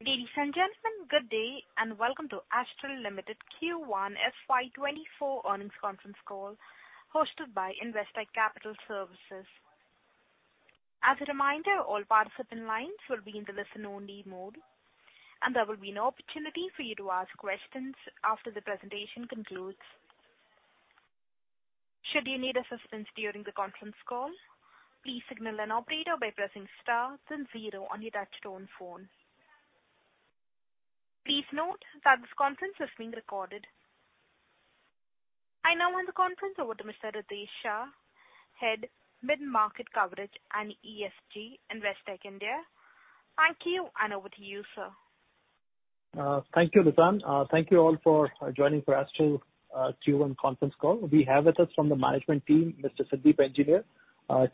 Ladies and gentlemen, good day, welcome to Astral Limited Q1 FY 2024 earnings conference call, hosted by Investec Capital Services. As a reminder, all participant lines will be in the listen-only mode, there will be an opportunity for you to ask questions after the presentation concludes. Should you need assistance during the conference call, please signal an operator by pressing star then zero on your touchtone phone. Please note that this conference is being recorded. I now hand the conference over to Mr. Ritesh Shah, Head, Mid-Market Coverage and ESG, Investec India. Thank you, over to you, sir. Thank you, Nitin. Thank you all for joining for us to Q1 conference call. We have with us from the management team, Mr. Sandeep Engineer,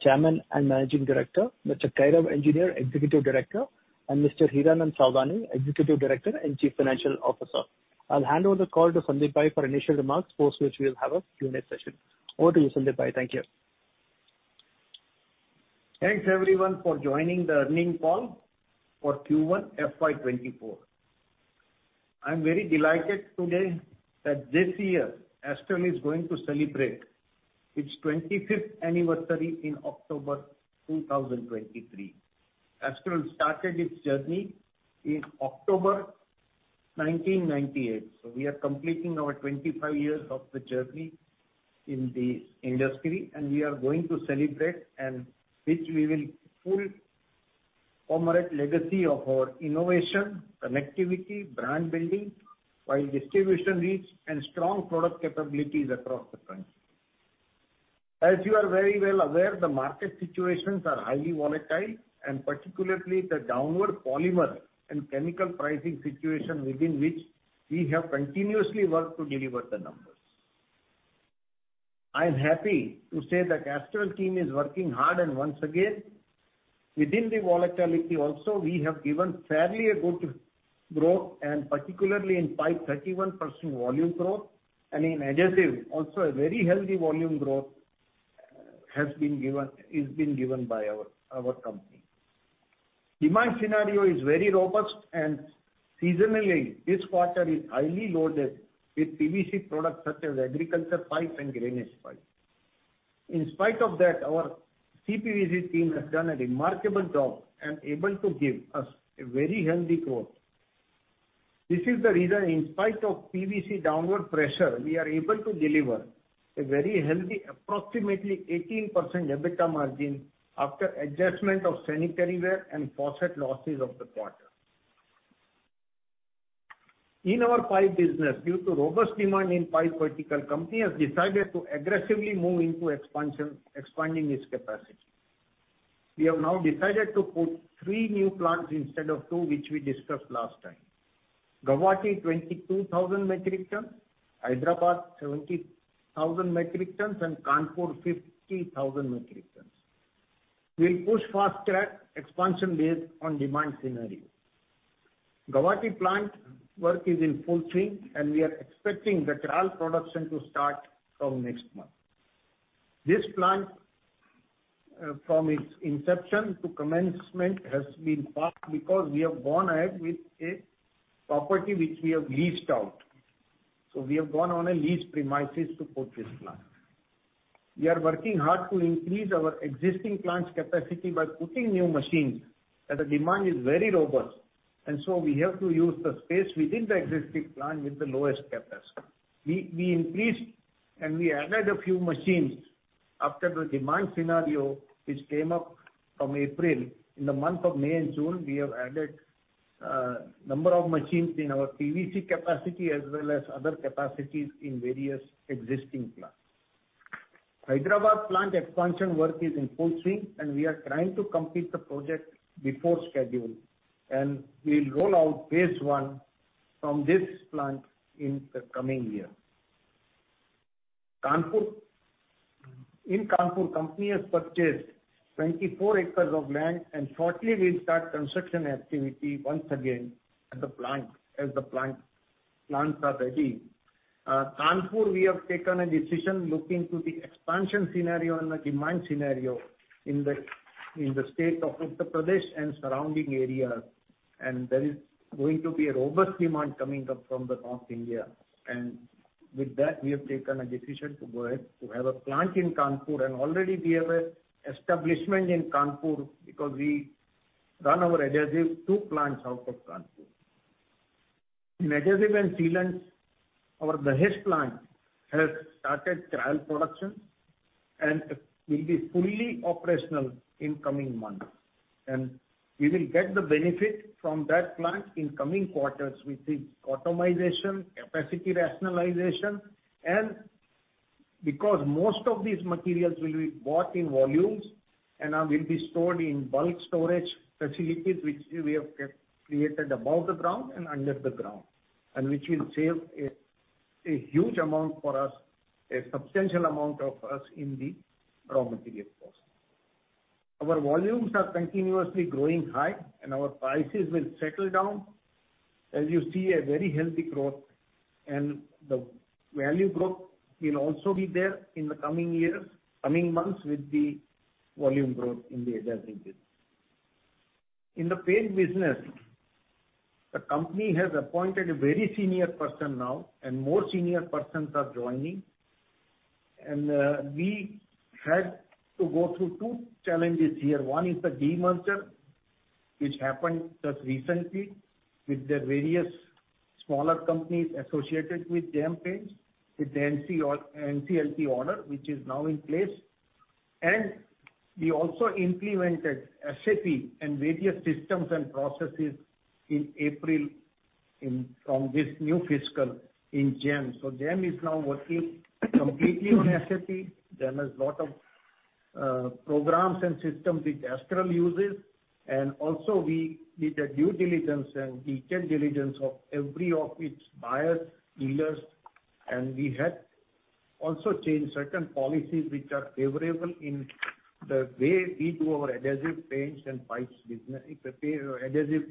Chairman and Managing Director; Mr. Kairav Engineer, Executive Director; and Mr. Hiranand Savlani, Executive Director and Chief Financial Officer. I'll hand over the call to Sandeep Bhai for initial remarks, for which we'll have a Q&A session. Over to you, Sandeep Bhai. Thank you. Thanks, everyone, for joining the earnings call for Q1 FY24. I'm very delighted today that this year, Astral is going to celebrate its 25th anniversary in October 2023. Astral started its journey in October 1998, so we are completing our 25 years of the journey in the industry, and we are going to celebrate, and which we will full commemorate legacy of our innovation, connectivity, brand building, while distribution reach and strong product capabilities across the country. As you are very well aware, the market situations are highly volatile, and particularly the downward polymer and chemical pricing situation within which we have continuously worked to deliver the numbers. I am happy to say that Astral team is working hard, and once again, within the volatility also, we have given fairly a good growth, and particularly in pipe, 31% volume growth, and in adhesive, also a very healthy volume growth, is been given by our company. Demand scenario is very robust, and seasonally, this quarter is highly loaded with PVC products such as Agri pipes and drainage pipes. In spite of that, our CPVC team has done a remarkable job and able to give us a very healthy growth. This is the reason, in spite of PVC downward pressure, we are able to deliver a very healthy, approximately 18% EBITDA margin after adjustment of sanitary ware and faucet losses of the quarter. In our pipe business, due to robust demand in pipe vertical, company has decided to aggressively move into expansion, expanding its capacity. We have now decided to put three new plants instead of two, which we discussed last time. Guwahati, 22,000 metric ton; Hyderabad, 70,000 metric tons; and Kanpur, 50,000 metric tons. We'll push fast-track expansion based on demand scenario. Guwahati plant work is in full swing, and we are expecting the trial production to start from next month. This plant, from its inception to commencement, has been fast because we have gone ahead with a property which we have leased out. We have gone on a leased premises to put this plant. We are working hard to increase our existing plant's capacity by putting new machines, and the demand is very robust, and so we have to use the space within the existing plant with the lowest CapEx. We increased and we added a few machines after the demand scenario, which came up from April. In the month of May and June, we have added number of machines in our PVC capacity as well as other capacities in various existing plants. Hyderabad plant expansion work is in full swing, and we are trying to complete the project before schedule, and we'll roll out phase one from this plant in the coming year. In Kanpur, company has purchased 24 acres of land, and shortly we'll start construction activity once again at the plant, as the plants are ready. Kanpur, we have taken a decision looking to the expansion scenario and the demand scenario in the, in the state of Uttar Pradesh and surrounding areas, and there is going to be a robust demand coming up from North India. With that, we have taken a decision to go ahead to have a plant in Kanpur, and already we have an establishment in Kanpur because we run our adhesive two plants out of Kanpur. In adhesive and sealants, our Dahej plant has started trial production and it will be fully operational in coming months. We will get the benefit from that plant in coming quarters with its automization, capacity rationalization, and because most of these materials will be bought in volumes and will be stored in bulk storage facilities, which we have created above the ground and under the ground, and which will save a, a huge amount for us, a substantial amount of us in the raw material cost. Our volumes are continuously growing high, and our prices will settle down. As you see, a very healthy growth, and the value growth will also be there in the coming years, coming months, with the volume growth in the adhesive business. In the paint business, the company has appointed a very senior person now, and more senior persons are joining. We had to go through two challenges here. One is the demerger, which happened just recently with the various smaller companies associated with GEM Paints, with the NCLT order, which is now in place. We also implemented SAP and various systems and processes in April from this new fiscal in GEM. GEM is now working completely on SAP. GEM has lot of programs and systems which Astral uses, and also we did a due diligence and detailed diligence of every of its buyers, dealers, and we had also changed certain policies which are favorable in the way we do our adhesive, paints and pipes business, adhesive,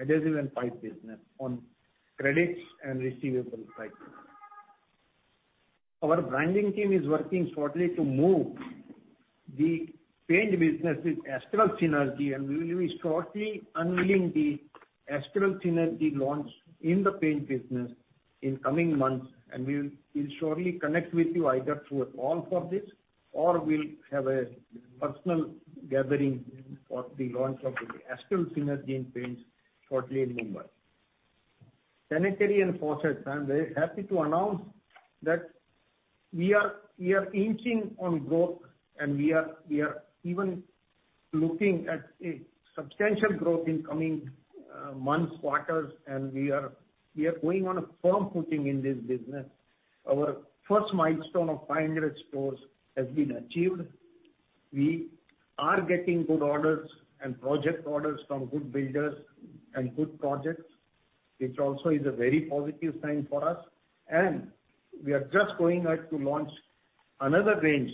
adhesive and pipe business on credits and receivables cycle. Our branding team is working shortly to move the paint business with Astral Synergy, and we will be shortly unveiling the Astral Synergy launch in the paint business in coming months. We will, we'll shortly connect with you either through a call for this, or we'll have a personal gathering for the launch of the Astral Synergy in paints shortly in Mumbai. Sanitary and faucets, I'm very happy to announce that we are, we are inching on growth, and we are, we are even looking at a substantial growth in coming months, quarters, and we are, we are going on a firm footing in this business. Our first milestone of 500 stores has been achieved. We are getting good orders and project orders from good builders and good projects, which also is a very positive sign for us. We are just going out to launch another range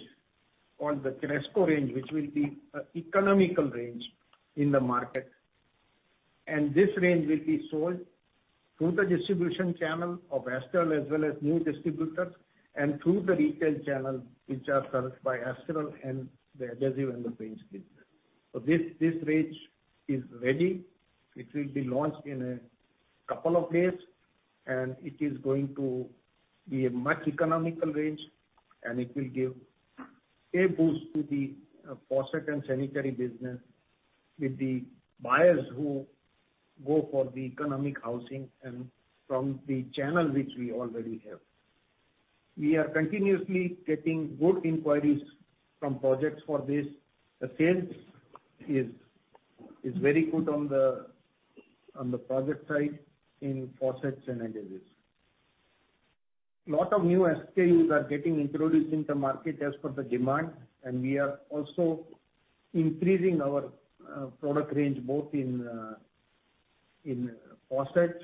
on the Cresco range, which will be an economical range in the market. This range will be sold through the distribution channel of Astral as well as new distributors, and through the retail channel, which are served by Astral and the adhesive and the paints business. This, this range is ready. It will be launched in a couple of days, and it is going to be a much economical range, and it will give a boost to the faucet and sanitary business with the buyers who go for the economic housing and from the channel which we already have. We are continuously getting good inquiries from projects for this. The sales is, is very good on the, on the project side in faucets and adhesives. Lot of new SKUs are getting introduced in the market as per the demand, and we are also increasing our product range, both in faucets,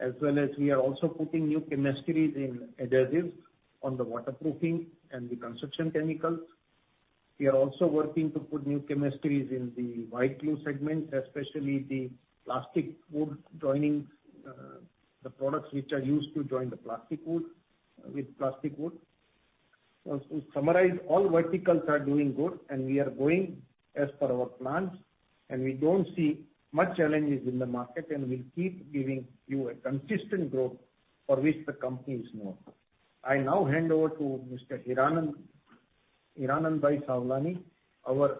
as well as we are also putting new chemistries in adhesives on the waterproofing and the construction chemicals. We are also working to put new chemistries in the white glue segment, especially the plastic wood joining, the products which are used to join the plastic wood with plastic wood. To summarize, all verticals are doing good, and we are going as per our plans, and we don't see much challenges in the market, and we'll keep giving you a consistent growth for which the company is known. I now hand over to Mr. Hiranand, Hiranandbhai Savlani, our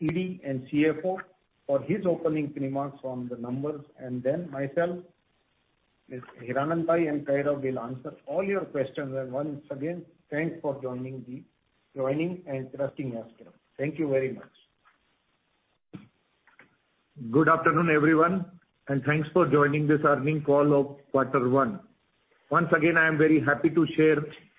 ED and CFO, for his opening remarks on the numbers, and then myself. Mr. Hiranandbhai and Kairav will answer all your questions. Once again, thanks for joining joining and trusting Astral. Thank you very much. Good afternoon, everyone, and thanks for joining this earnings call of Q1. Once again, I am very happy to share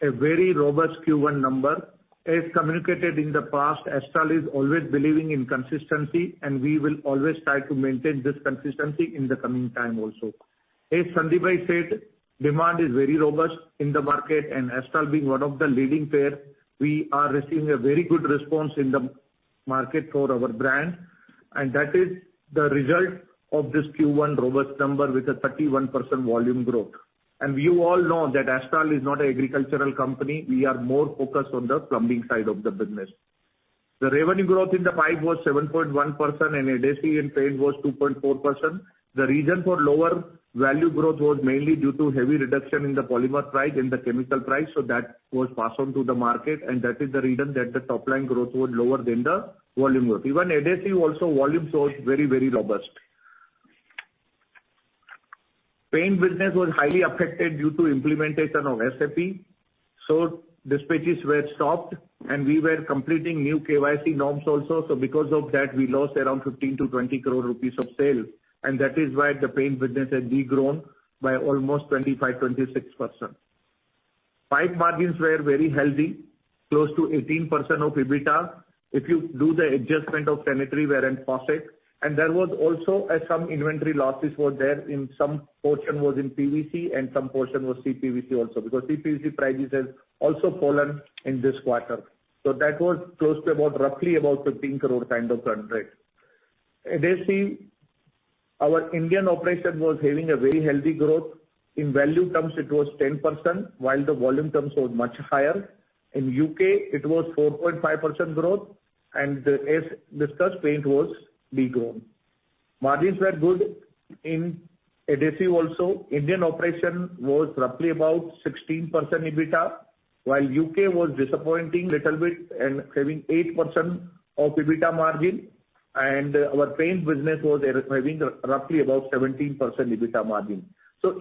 a very robust Q1 number. As communicated in the past, Astral is always believing in consistency, and we will always try to maintain this consistency in the coming time also. As Sandeep said, demand is very robust in the market, and Astral being one of the leading player, we are receiving a very good response in the market for our brand, and that is the result of this Q1 robust number with a 31% volume growth. You all know that Astral is not an agricultural company, we are more focused on the plumbing side of the business. The revenue growth in the pipe was 7.1%, and adhesive and paint was 2.4%. The reason for lower value growth was mainly due to heavy reduction in the polymer price and the chemical price, so that was passed on to the market, and that is the reason that the top line growth was lower than the volume growth. Even adhesive also, volume growth very, very robust. Paint business was highly affected due to implementation of SAP. Dispatches were stopped, and we were completing new KYC norms also. Because of that, we lost around 15 crore-20 crore rupees of sale, and that is why the paint business had de-grown by almost 25%-26%. Pipe margins were very healthy, close to 18% of EBITDA. If you do the adjustment of sanitary ware and faucet, and there was also some inventory losses there, in some portion was in PVC and some portion was CPVC also, because CPVC prices has also fallen in this quarter. That was close to about, roughly about 15 crore kind of contract. Adhesive, our Indian operation was having a very healthy growth. In value terms, it was 10%, while the volume terms was much higher. In U.K., it was 4.5% growth, and as discussed, paint was de-grown. Margins were good in adhesive also. Indian operation was roughly about 16% EBITDA, while U.K. was disappointing little bit and having 8% EBITDA margin, and our paint business was having roughly about 17% EBITDA margin.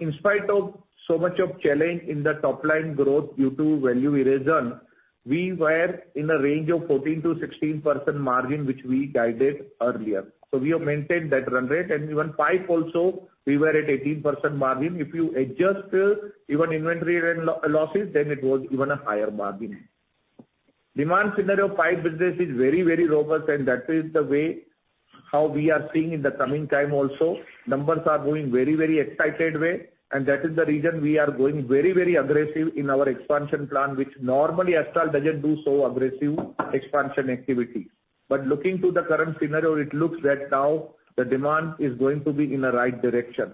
In spite of so much of challenge in the top line growth due to value erosion, we were in a range of 14%-16% margin, which we guided earlier. We have maintained that run rate, and even pipe also, we were at 18% margin. If you adjust even inventory and losses, then it was even a higher margin. Demand scenario pipe business is very, very robust, and that is the way how we are seeing in the coming time also. Numbers are going very, very excited way, and that is the reason we are going very, very aggressive in our expansion plan, which normally Astral doesn't do so aggressive expansion activity. Looking to the current scenario, it looks that now the demand is going to be in the right direction.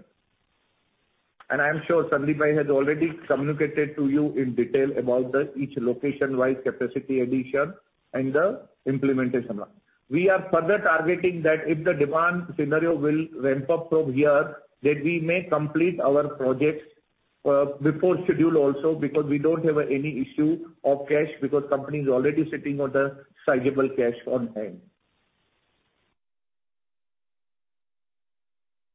I am sure Sandeep has already communicated to you in detail about the each location-wise capacity addition and the implementation. We are further targeting that if the demand scenario will ramp up from here, that we may complete our projects before schedule also, because we don't have any issue of cash, because company is already sitting on the sizable cash on hand.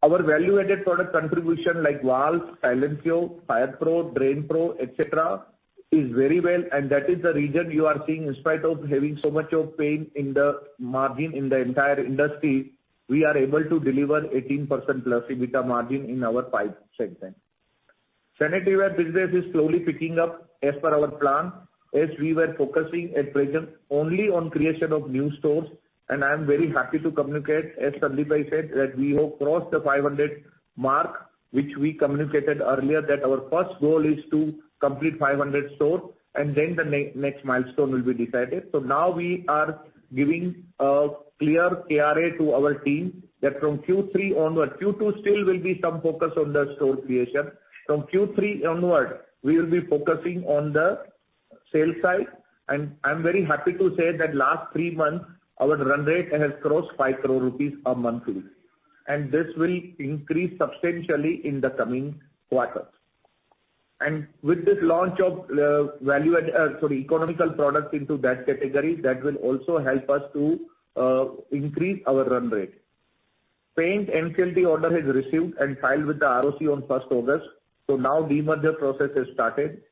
Our value-added product contribution, like valves, Silencio, FirePro, DrainPro, et cetera, is very well. That is the reason you are seeing in spite of having so much of pain in the margin in the entire industry, we are able to deliver 18% plus EBITDA margin in our pipe segment. Sanitaryware business is slowly picking up as per our plan, as we were focusing at present only on creation of new stores. I'm very happy to communicate, as Sandeep said, that we have crossed the 500 mark, which we communicated earlier, that our first goal is to complete 500 stores, and then the next milestone will be decided. Now we are giving a clear KRA to our team, that from Q3 onward. Q2 still will be some focus on the store creation. From Q3 onward, we will be focusing on the sales side, and I'm very happy to say that last three months, our run rate has crossed 5 crore rupees monthly. This will increase substantially in the coming quarters. With this launch of value added, sorry, economical products into that category, that will also help us to increase our run rate. Paint NCLT order has received and filed with the ROC on August 1, so now demerger process has started.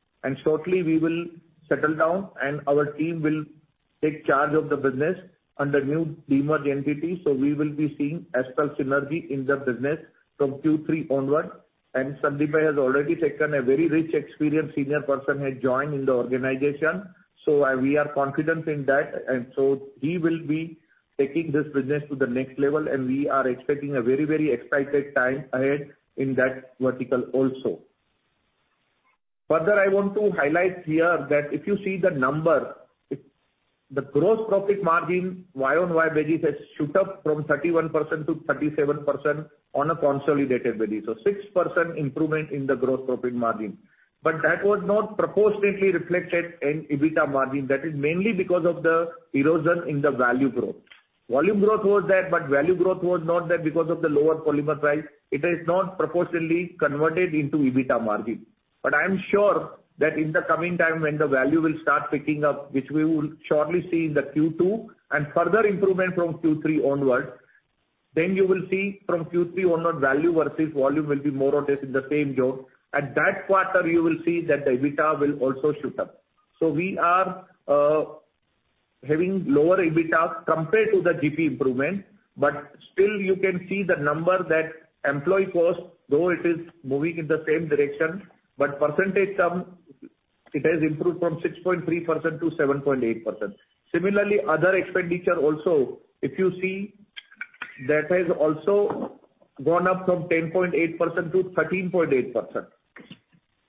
Shortly, we will settle down, and our team will take charge of the business under new demerged entity, so we will be seeing Astral Synergy in the business from Q3 onward. Sandeep has already taken a very rich experience, senior person has joined in the organization, we are confident in that. He will be taking this business to the next level, and we are expecting a very, very excited time ahead in that vertical also. Further, I want to highlight here that if you see the number, the gross profit margin, year-over-year basis, has shoot up from 31% to 37% on a consolidated basis, so 6% improvement in the gross profit margin. That was not proportionately reflected in EBITDA margin. That is mainly because of the erosion in the value growth. Volume growth was there, value growth was not there because of the lower polymer price. It is not proportionately converted into EBITDA margin. I am sure that in the coming time, when the value will start picking up, which we will shortly see in the Q2, and further improvement from Q3 onwards, then you will see from Q3 onward, value versus volume will be more or less in the same zone. At that quarter, you will see that the EBITDA will also shoot up. We are having lower EBITDA compared to the GP improvement, but still you can see the number that employee cost, though it is moving in the same direction, but percentage term, it has improved from 6.3% to 7.8%. Similarly, other expenditure also, if you see, that has also gone up from 10.8% to 13.8%.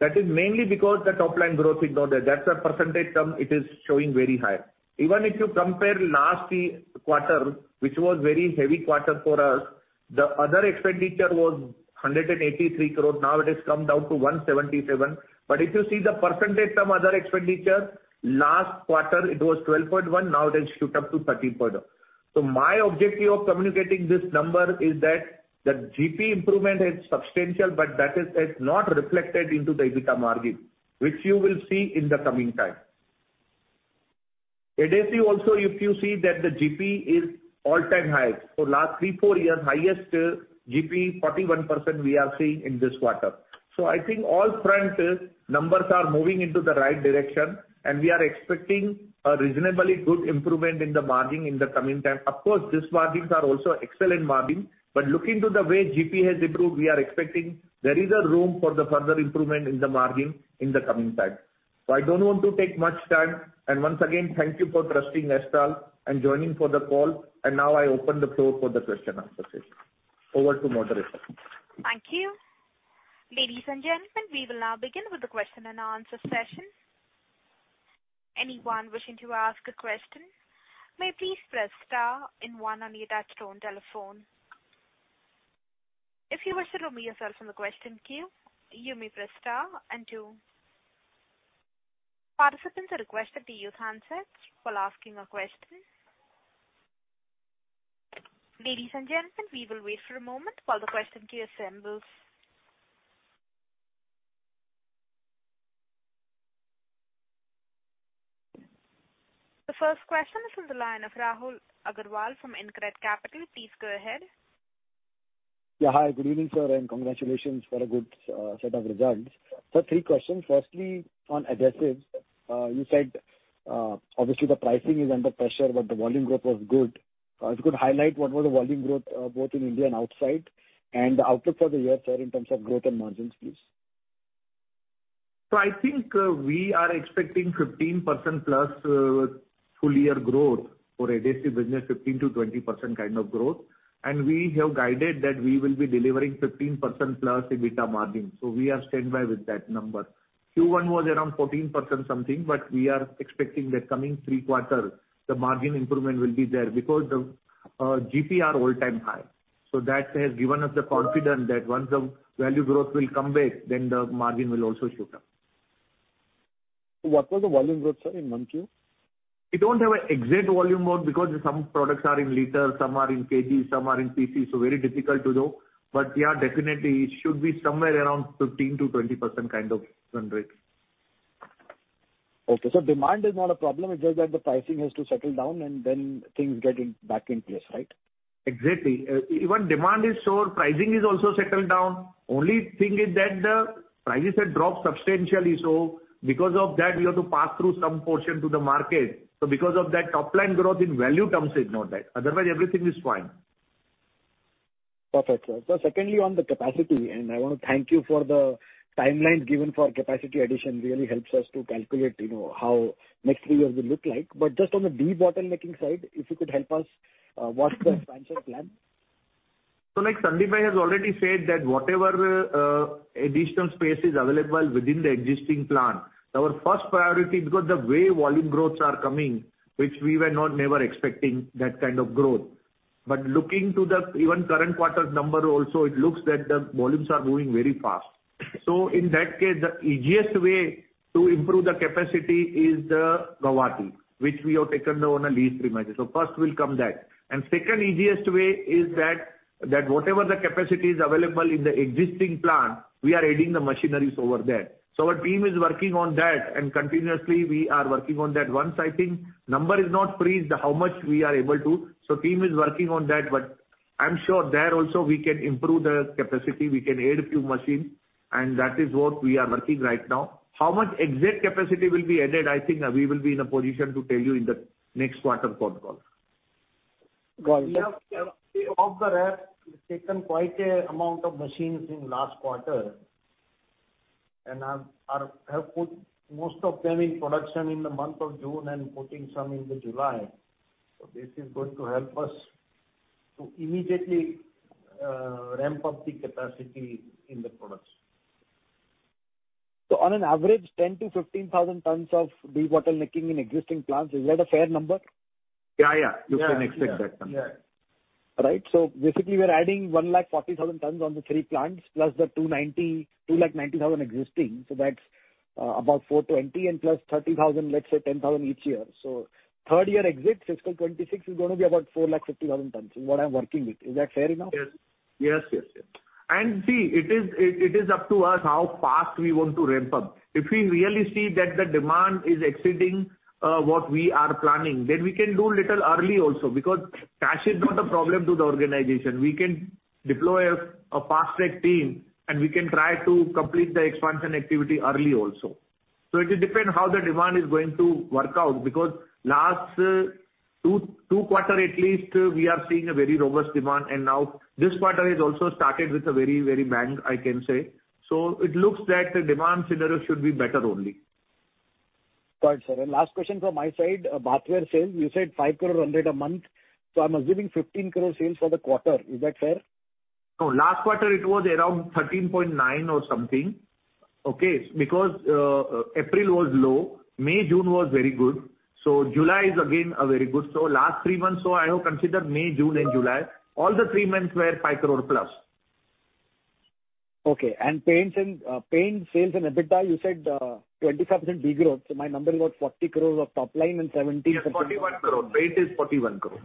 That is mainly because the top line growth is not there. That's a percentage term, it is showing very high. Even if you compare last quarter, which was very heavy quarter for us, the other expenditure was 183 crore. Now it has come down to 177 crore. If you see the percentage from other expenditure, last quarter it was 12.1%, now it has shoot up to 13.0%. My objective of communicating this number is that the GP improvement is substantial, but that is, has not reflected into the EBITDA margin, which you will see in the coming time. Adhesive also, if you see that the GP is all-time high. For last three, four years, highest GP, 41%, we are seeing in this quarter. I think all fronts, numbers are moving into the right direction, and we are expecting a reasonably good improvement in the margin in the coming time. Of course, these margins are also excellent margin, but looking to the way GP has improved, we are expecting there is a room for the further improvement in the margin in the coming time. I don't want to take much time, and once again, thank you for trusting Astral and joining for the call. Now I open the floor for the question and answer session. Over to moderator. Thank you. Ladies and gentlemen, we will now begin with the question and answer session. Anyone wishing to ask a question, may please press star and one on your touchtone telephone. If you wish to remove yourself from the question queue, you may press star and two. Participants are requested to use handsets while asking a question. Ladies and gentlemen, we will wait for a moment while the question queue assembles. The first question is on the line of Rahul Agarwal from InCred Capital. Please go ahead. Yeah, hi. Good evening, sir, and congratulations for a good set of results. Three questions: firstly, on adhesives, you said, obviously the pricing is under pressure, but the volume growth was good. If you could highlight what were the volume growth, both in India and outside, and the outlook for the year, sir, in terms of growth and margins, please? I think, we are expecting 15%+ full year growth for adhesive business, 15%-20% kind of growth. We have guided that we will be delivering 15%+ EBITDA margin, we are standing by with that number. Q1 was around 14% something, we are expecting that coming three quarters, the margin improvement will be there because the GPR all-time high. That has given us the confidence that once the value growth will come back, then the margin will also shoot up. What was the volume growth, sir, in month Q? We don't have an exact volume growth because some products are in liters, some are in kg, some are in pcs, so very difficult to know. Yeah, definitely, it should be somewhere around 15%-20% kind of growth rate. Okay. Demand is not a problem, it's just that the pricing has to settle down and then things get in, back in place, right? Exactly. Even demand is sure, pricing is also settled down. Only thing is that the prices have dropped substantially, so because of that, we have to pass through some portion to the market. Because of that, top line growth in value terms is not there, otherwise everything is fine. Perfect, sir. Secondly, on the capacity, and I want to thank you for the timelines given for capacity addition, really helps us to calculate, you know, how next three years will look like. Just on the debottlenecking side, if you could help us, what's the expansion plan? Like Sandeep has already said that whatever additional space is available within the existing plant, our first priority, because the way volume growths are coming, which we were not never expecting that kind of growth. Looking to the even current quarter's number also, it looks that the volumes are growing very fast. In that case, the easiest way to improve the capacity is the Guwahati, which we have taken on a lease primarily. First will come that. Second easiest way is that, that whatever the capacity is available in the existing plant, we are adding the machineries over there. Our team is working on that, and continuously we are working on that. Once I think, number is not preached how much we are able to, so team is working on that, but I'm sure there also we can improve the capacity, we can add a few machines, and that is what we are working right now. How much exact capacity will be added, I think, we will be in a position to tell you in the next quarter call. Got it. We have, off the rack, taken quite a amount of machines in last quarter, and, are, have put most of them in production in the month of June and putting some into July. This is going to help us to immediately ramp up the capacity in the products. On an average, 10-15 thousand tons of debottlenecking in existing plants, is that a fair number? Yeah, yeah. Yeah. You can expect that number. Yeah. Right. Basically, we are adding 140,000 tons on the three plants, plus the 290, 290,000 existing. That's about 420,000 and plus 30,000, let's say 10,000 each year. Third year exit, fiscal 2026, is gonna be about 450,000 tons is what I'm working with. Is that fair enough? Yes. Yes, yes, yes. See, it is up to us how fast we want to ramp up. If we really see that the demand is exceeding what we are planning, then we can do little early also, because cash is not a problem to the organization. We can deploy a fast-track team, and we can try to complete the expansion activity early also. It will depend how the demand is going to work out, because last, two, two quarter at least, we are seeing a very robust demand, and now this quarter is also started with a very, very bang, I can say. It looks that the demand scenario should be better only. Got it, sir. Last question from my side, bathware sales, you said 5.0001 crore a month, so I'm assuming 15 crore sales for the quarter. Is that fair? No, last quarter it was around 13.9 or something. Okay, because April was low, May, June was very good, so July is again a very good. Last three months, I have considered May, June and July, all the three months were 5 crore+. Okay. paints and paint sales and EBITDA, you said, 25% big growth, so my number is about 40 crore of top line and seventeen- Yes, 41 crore. Paint is 41 crore.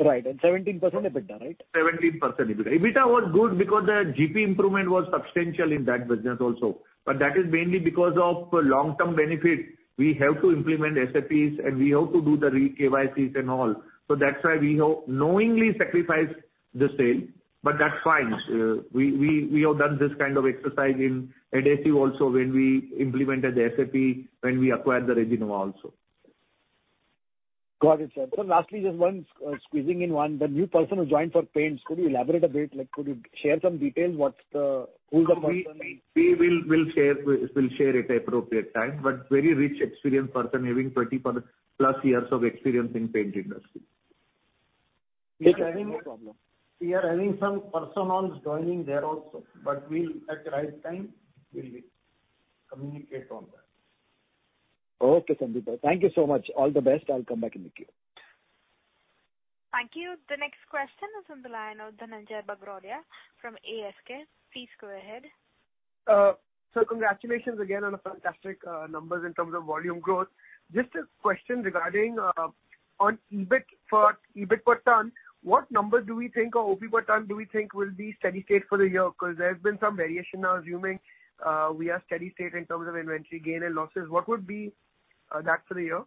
Right, 17% EBITDA, right? 17% EBITDA. EBITDA was good because the GP improvement was substantial in that business also. That is mainly because of long-term benefit. We have to implement SAPs, and we have to do the re-KYCs and all. That's why we have knowingly sacrificed the sale, but that's fine. We, we, we have done this kind of exercise in adhesive also when we implemented the SAP, when we acquired the Resino also. Got it, sir. Lastly, just one, squeezing in one. The new person who joined for paints, could you elaborate a bit? Like, could you share some details? Who's the person? We will, we'll share at the appropriate time, but very rich experience person, having 30+ years of experience in paint industry. We are having some personals joining there also, but we'll at the right time, we'll communicate on that. Okay, Sandeep. Thank you so much. All the best. I'll come back in the queue. Thank you. The next question is on the line of Dhananjai Bagrodia from ASK. Please go ahead. So congratulations again on the fantastic numbers in terms of volume growth. Just a question regarding on EBIT for EBIT per ton, what number do we think or OP per ton do we think will be steady state for the year? Because there has been some variation. Now, assuming we are steady state in terms of inventory gain and losses, what would be that for the year?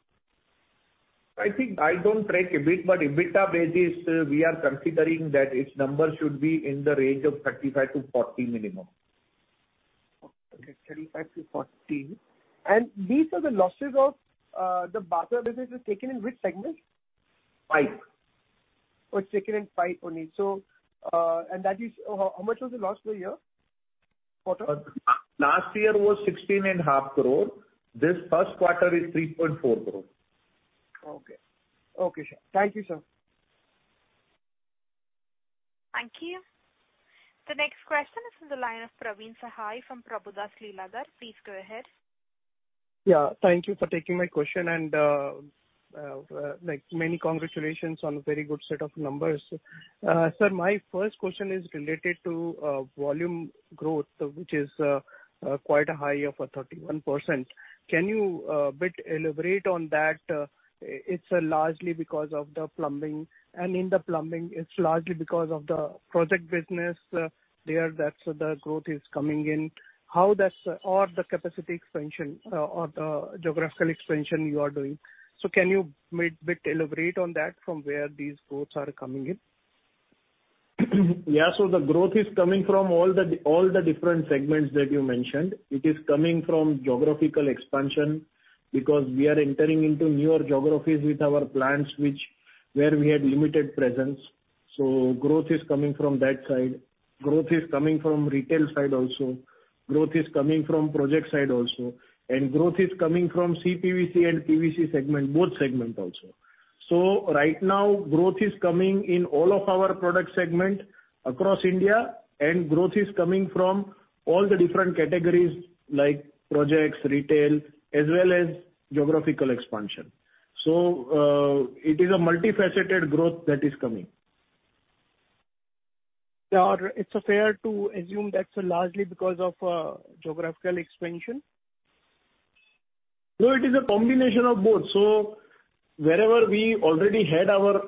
I think I don't track EBIT, but EBITDA basis, we are considering that its number should be in the range of 35-40 minimum. Okay, 35-40. These are the losses of the bathware business is taken in which segment? Pipe. Oh, it's taken in pipe only. That is, how much was the loss for the year, quarter? Last year was 16.5 crore. This first quarter is 3.4 crore. Okay. Okay, sir. Thank you, sir. Thank you. The next question is from the line of Praveen Sahay from Prabhudas Lilladher. Please go ahead. Yeah, thank you for taking my question, and, like, many congratulations on a very good set of numbers. Sir, my first question is related to volume growth, which is quite a high of a 31%. Can you bit elaborate on that? It's largely because of the plumbing, and in the plumbing, it's largely because of the project business there that the growth is coming in. How that's, or the capacity expansion, or the geographical expansion you are doing? Can you bit, bit elaborate on that from where these growths are coming in? Yeah. The growth is coming from all the different segments that you mentioned. It is coming from geographical expansion, because we are entering into newer geographies with our plants, which where we had limited presence. Growth is coming from that side. Growth is coming from retail side also. Growth is coming from project side also. Growth is coming from CPVC and PVC segment, both segment also. Right now, growth is coming in all of our product segment across India, and growth is coming from all the different categories like projects, retail, as well as geographical expansion. It is a multifaceted growth that is coming. It's fair to assume that's largely because of geographical expansion? No, it is a combination of both. Wherever we already had our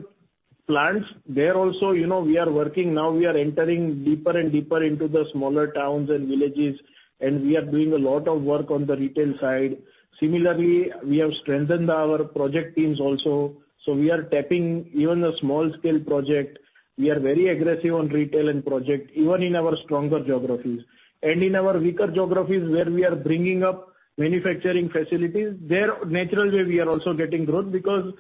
plans, there also, you know, we are working now. We are entering deeper and deeper into the smaller towns and villages, and we are doing a lot of work on the retail side. Similarly, we have strengthened our project teams also, so we are tapping even a small scale project. We are very aggressive on retail and project, even in our stronger geographies. In our weaker geographies, where we are bringing up manufacturing facilities, there, naturally, we are also getting growth because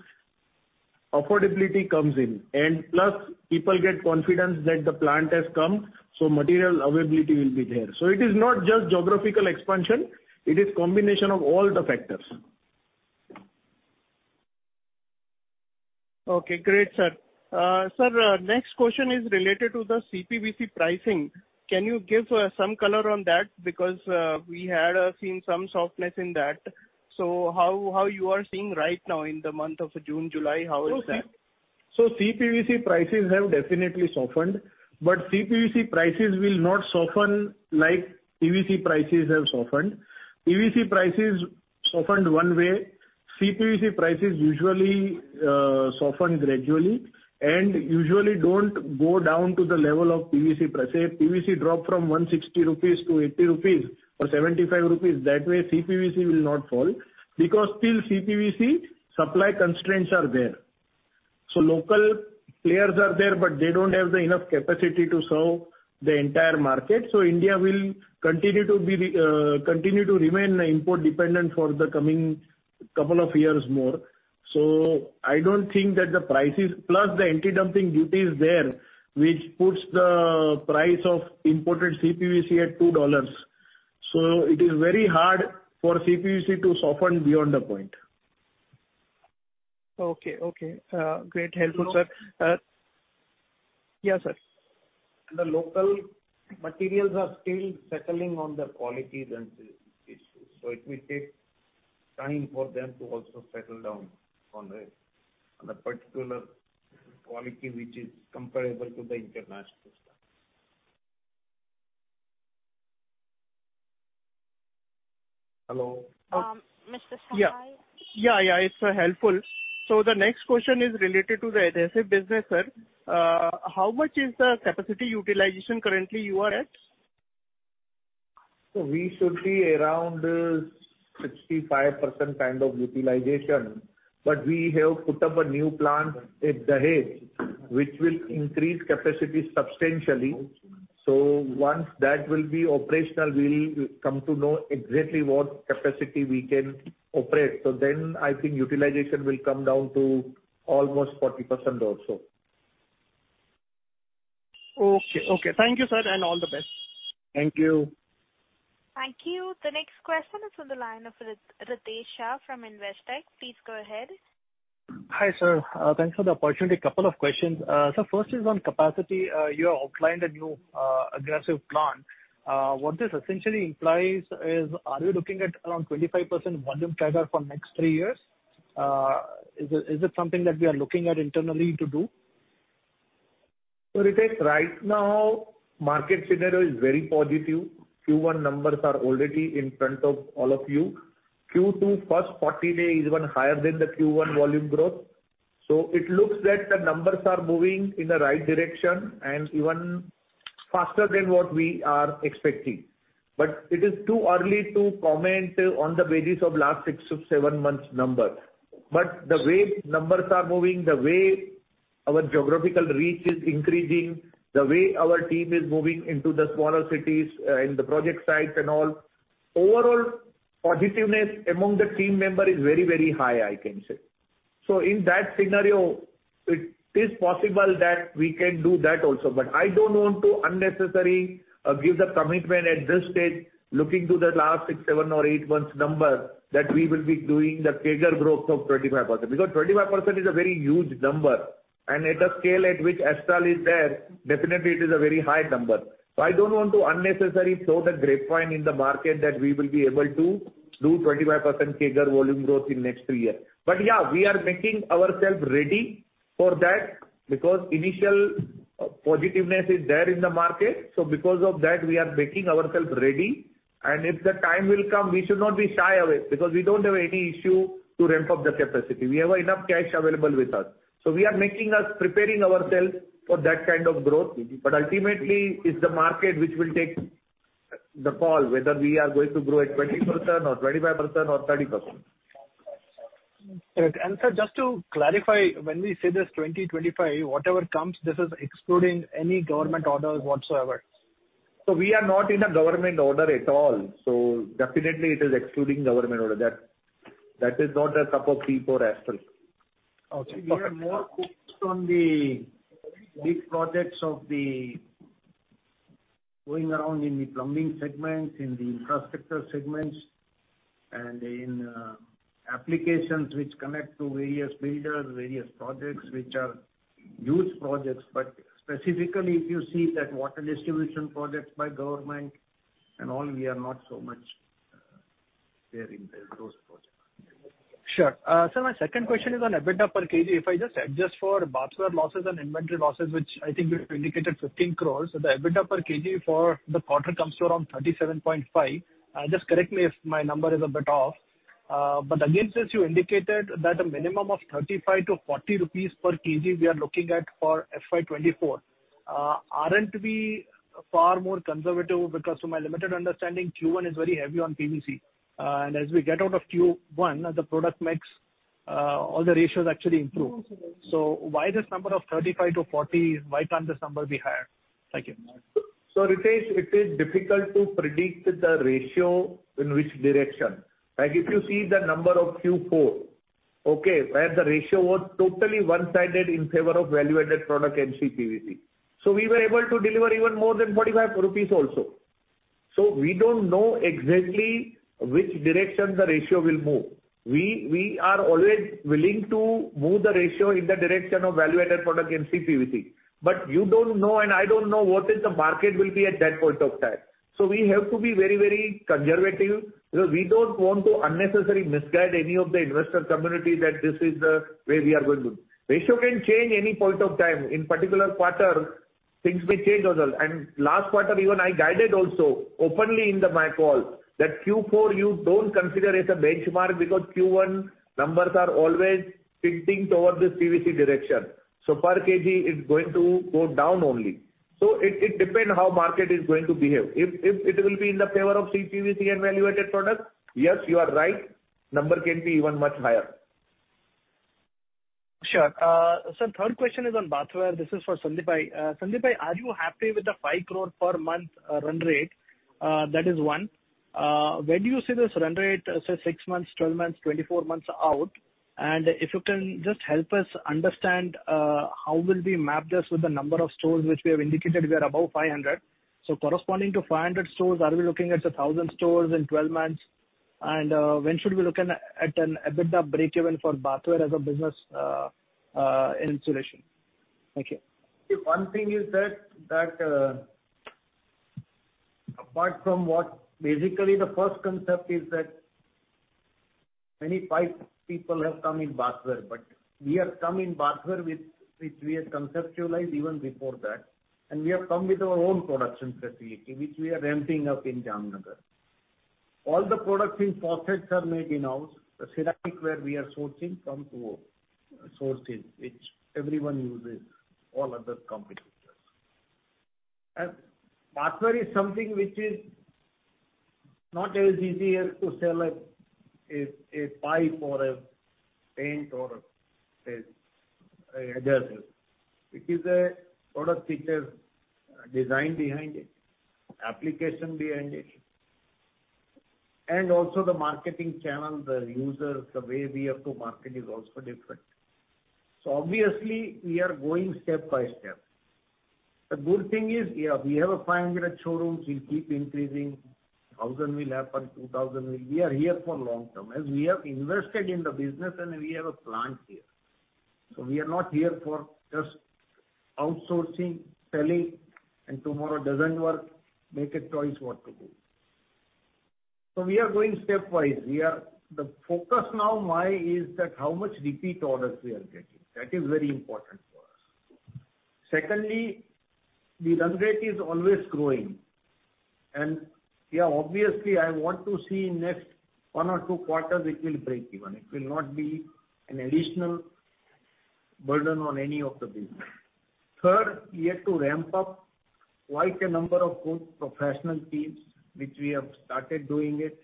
affordability comes in. Plus, people get confidence that the plant has come, so material availability will be there. It is not just geographical expansion, it is combination of all the factors. Okay, great, sir. Sir, next question is related to the CPVC pricing. Can you give, some color on that? Because, we had, seen some softness in that. How, how you are seeing right now in the month of June, July, how is that? CPVC prices have definitely softened, but CPVC prices will not soften like PVC prices have softened. PVC prices softened one way. CPVC prices usually softens gradually and usually don't go down to the level of PVC price. Say, PVC dropped from 160 rupees to 80 rupees or 75 rupees. That way, CPVC will not fall, because still CPVC supply constraints are there. Local players are there, but they don't have the enough capacity to serve the entire market. India will continue to be, continue to remain import dependent for the coming two years more. I don't think that the prices... Plus, the anti-dumping duty is there, which puts the price of imported CPVC at $2. It is very hard for CPVC to soften beyond that point. Okay, okay. Great, helpful, sir. So- Yeah, sir. The local materials are still settling on the quality issues, so it will take time for them to also settle down on the, on the particular quality which is comparable to the international stuff. Hello? Mr. Sahay? Yeah. Yeah, yeah, it's helpful. The next question is related to the adhesive business, sir. How much is the capacity utilization currently you are at? We should be around 65% kind of utilization, but we have put up a new plant at Dahej, which will increase capacity substantially. Once that will be operational, we'll come to know exactly what capacity we can operate. Then I think utilization will come down to almost 40% or so. Okay, okay. Thank you, sir, and all the best. Thank you. Thank you. The next question is from the line of Ritesh Shah from Investec. Please go ahead. Hi, sir. Thanks for the opportunity. A couple of questions. First is on capacity. You have outlined a new, aggressive plan. What this essentially implies is, are we looking at around 25% volume CAGR for next three years? Is it, is it something that we are looking at internally to do? Ritesh, right now, market scenario is very positive. Q1 numbers are already in front of all of you. Q2 first 40 days is even higher than the Q1 volume growth. It looks that the numbers are moving in the right direction and even faster than what we are expecting. It is too early to comment on the basis of last six to seven months numbers. The way numbers are moving, the way our geographical reach is increasing, the way our team is moving into the smaller cities, in the project sites and all, overall positiveness among the team member is very, very high, I can say. In that scenario, it is possible that we can do that also. I don't want to unnecessarily give the commitment at this stage, looking to the last six, seven, or eight months number, that we will be doing the CAGR growth of 25%. 25% is a very huge number, and at the scale at which Astral is there, definitely it is a very high number. I don't want to unnecessarily sow the grapevine in the market that we will be able to do 25% CAGR volume growth in next three years. Yeah, we are making ourself ready for that, because initial positiveness is there in the market. Because of that, we are making ourself ready, and if the time will come, we should not be shy away, because we don't have any issue to ramp up the capacity. We have enough cash available with us. We are making us preparing ourself for that kind of growth. Ultimately, it's the market which will take the call, whether we are going to grow at 20% or 25% or 30%. Right. Sir, just to clarify, when we say this 20, 25, whatever comes, this is excluding any government orders whatsoever? We are not in a government order at all. Definitely it is excluding government order. That is not a cup of tea for Astral. Okay. We are more focused on the big projects of the going around in the plumbing segments, in the infrastructure segments, and in applications which connect to various builders, various projects which are huge projects. Specifically, if you see that water distribution projects by government and all, we are not so much there in those projects. Sure. My second question is on EBITDA per kg. If I just adjust for bathware losses and inventory losses, which I think you indicated 15 crore, the EBITDA per kg for the quarter comes to around 37.5. Just correct me if my number is a bit off. Again, since you indicated that a minimum of 35-40 rupees per kg, we are looking at for FY 2024, aren't we far more conservative? Because from my limited understanding, Q1 is very heavy on PVC, and as we get out of Q1, the product mix, all the ratios actually improve. Why this number of 35-40, why can't this number be higher? Thank you. Ritesh, it is difficult to predict the ratio in which direction. Like, if you see the number of Q4, okay, where the ratio was totally one-sided in favor of value-added product and CPVC. We were able to deliver even more than 45 rupees also. We don't know exactly which direction the ratio will move. We, we are always willing to move the ratio in the direction of value-added product and CPVC. You don't know, and I don't know what is the market will be at that point of time. We have to be very, very conservative, because we don't want to unnecessarily misguide any of the investor community that this is the way we are going to. Ratio can change any point of time. In particular quarter, things may change also. Last quarter, even I guided also openly in the my call, that Q4, you don't consider it a benchmark, because Q1 numbers are always tilting towards the PVC direction. Per kg, it's going to go down only. It, it depend how market is going to behave. If, if it will be in the favor of CPVC and value-added products, yes, you are right, number can be even much higher. Sure. The third question is on bathware. This is for Sandeep-bhai. Sandeep-bhai, are you happy with the 5 crore per month run rate? That is one. Where do you see this run rate, say, six months, 12 months, 24 months out? If you can just help us understand how will we map this with the number of stores which we have indicated we are above 500. Corresponding to 500 stores, are we looking at 1,000 stores in 12 months? When should we look at an EBITDA breakeven for bathware as a business in insulation? Thank you. One thing is that, that, apart from basically, the first concept is that many pipe people have come in bathware, but we have come in bathware with which we have conceptualized even before that. We have come with our own production facility, which we are ramping up in Jamnagar. All the products in faucets are made in-house. The ceramic where we are sourcing come from sources which everyone uses, all other competitors. Bathware is something which is not as easier to sell as a, a pipe or a paint or a, a adhesive. It is a product which has design behind it, application behind it, and also the marketing channel, the users, the way we have to market is also different. Obviously, we are going step by step. The good thing is, yeah, we have 500 showrooms, we'll keep increasing. 1,000 will happen, 2,000 will. We are here for long term, as we have invested in the business and we have a plant here. We are not here for just outsourcing, selling, and tomorrow doesn't work, make a choice what to do. We are going stepwise. The focus now, my, is that how much repeat orders we are getting. That is very important for us. Secondly, the run rate is always growing, and obviously, I want to see next one or two quarters, it will break even. It will not be an additional burden on any of the business. Third, we have to ramp up quite a number of good professional teams, which we have started doing it.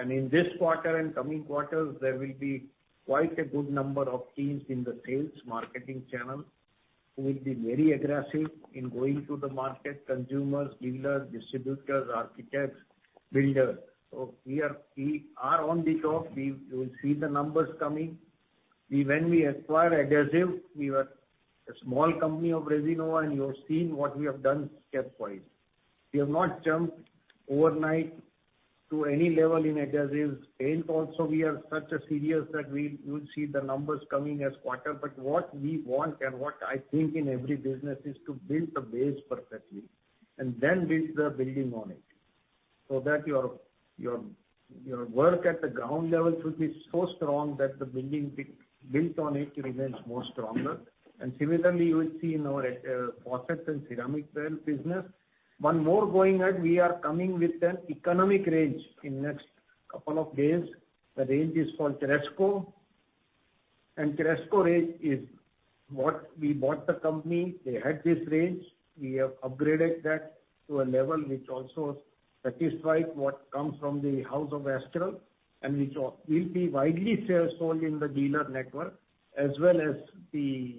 In this quarter and coming quarters, there will be quite a good number of teams in the sales marketing channel, who will be very aggressive in going to the market, consumers, dealers, distributors, architects, builders. We are on the top. You will see the numbers coming. When we acquired adhesive, we were a small company of Resino, and you have seen what we have done stepwise. We have not jumped overnight to any level in adhesives. Paint also, we are such a serious that you will see the numbers coming as quarter. What we want and what I think in every business is to build the base perfectly, and then build the building on it. That your work at the ground level should be so strong that the building built on it remains more stronger. Similarly, you will see in our faucets and ceramic tile business. One more going on, we are coming with an economic range in next couple of days. The range is called Cresco. Cresco range is what we bought the company, they had this range. We have upgraded that to a level which also satisfies what comes from the house of Astral, and which will, will be widely sales sold in the dealer network, as well as the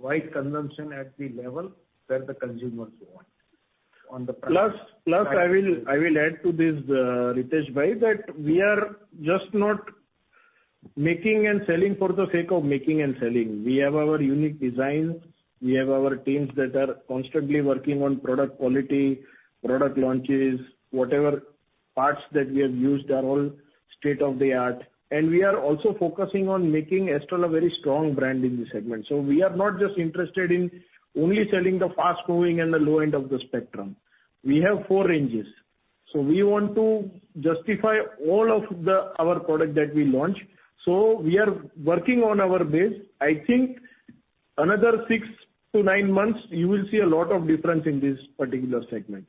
wide consumption at the level that the consumers want. On the price- Plus, plus, I will, I will add to this, Ritesh bhai, that we are just not making and selling for the sake of making and selling. We have our unique designs, we have our teams that are constantly working on product quality, product launches. Whatever parts that we have used are all state-of-the-art, and we are also focusing on making Astral a very strong brand in this segment. We are not just interested in only selling the fast-moving and the low end of the spectrum. We have four ranges, we want to justify all of the, our product that we launch. We are working on our base. I think another six to nine months, you will see a lot of difference in this particular segment.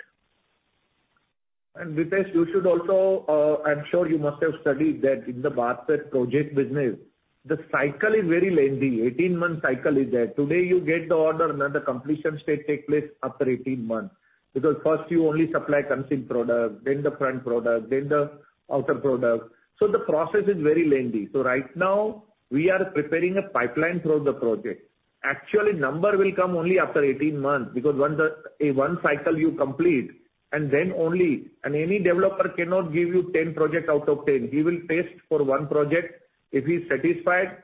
Ritesh, you should also, I'm sure you must have studied that in the bathtub project business, the cycle is very lengthy. 18-month cycle is there. Today, you get the order, and then the completion stage take place after 18 months. Because first, you only supply concealed product, then the front product, then the outer product. The process is very lengthy. Right now, we are preparing a pipeline through the project. Actually, number will come only after 18 months, because once a one cycle you complete, and then only... Any developer cannot give you 10 projects out of 10. He will test for one project, if he's satisfied,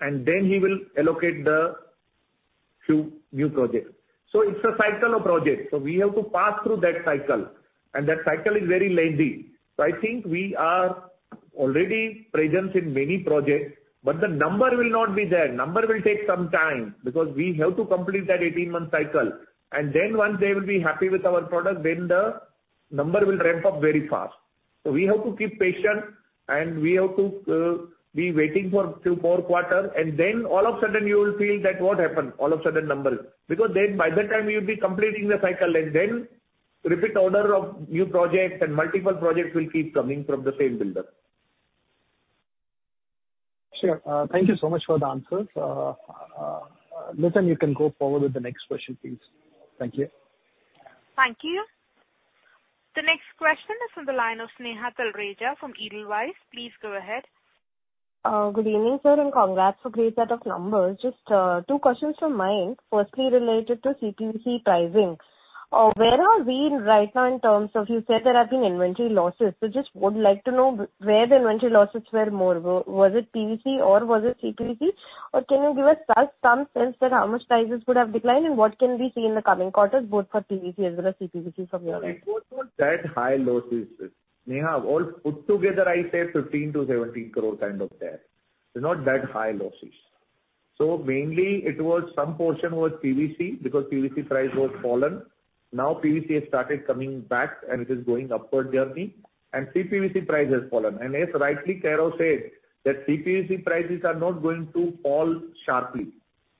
and then he will allocate the few new projects. It's a cycle of projects. We have to pass through that cycle, and that cycle is very lengthy. I think we are already presence in many projects, but the number will not be there. Number will take some time, because we have to complete that 18-month cycle. Then once they will be happy with our product, then the number will ramp up very fast. We have to keep patient, and we have to be waiting for few more quarters, and then all of a sudden, you will feel that what happened? All of a sudden number. Because then by that time, you'll be completing the cycle, and then repeat order of new projects and multiple projects will keep coming from the same builder. Sure. Thank you so much for the answers. Nitin, you can go forward with the next question, please. Thank you. Thank you. The next question is on the line of Sneha Talreja from Edelweiss. Please go ahead. Good evening, sir, and congrats for great set of numbers. Just two questions from my end. Firstly, related to CPVC pricings. Where are we right now in terms of, you said there have been inventory losses. Just would like to know where the inventory losses were more. Was it PVC or was it CPVC? Can you give us just some sense that how much prices could have declined, and what can we see in the coming quarters, both for PVC as well as CPVC from your end? It was not that high losses, Sneha. All put together, I say 15 crore-17 crore, kind of there. It's not that high losses. Mainly it was some portion was PVC, because PVC price was fallen. Now, PVC has started coming back, and it is going upward journey, and CPVC price has fallen. As rightly Kairav said, that CPVC prices are not going to fall sharply.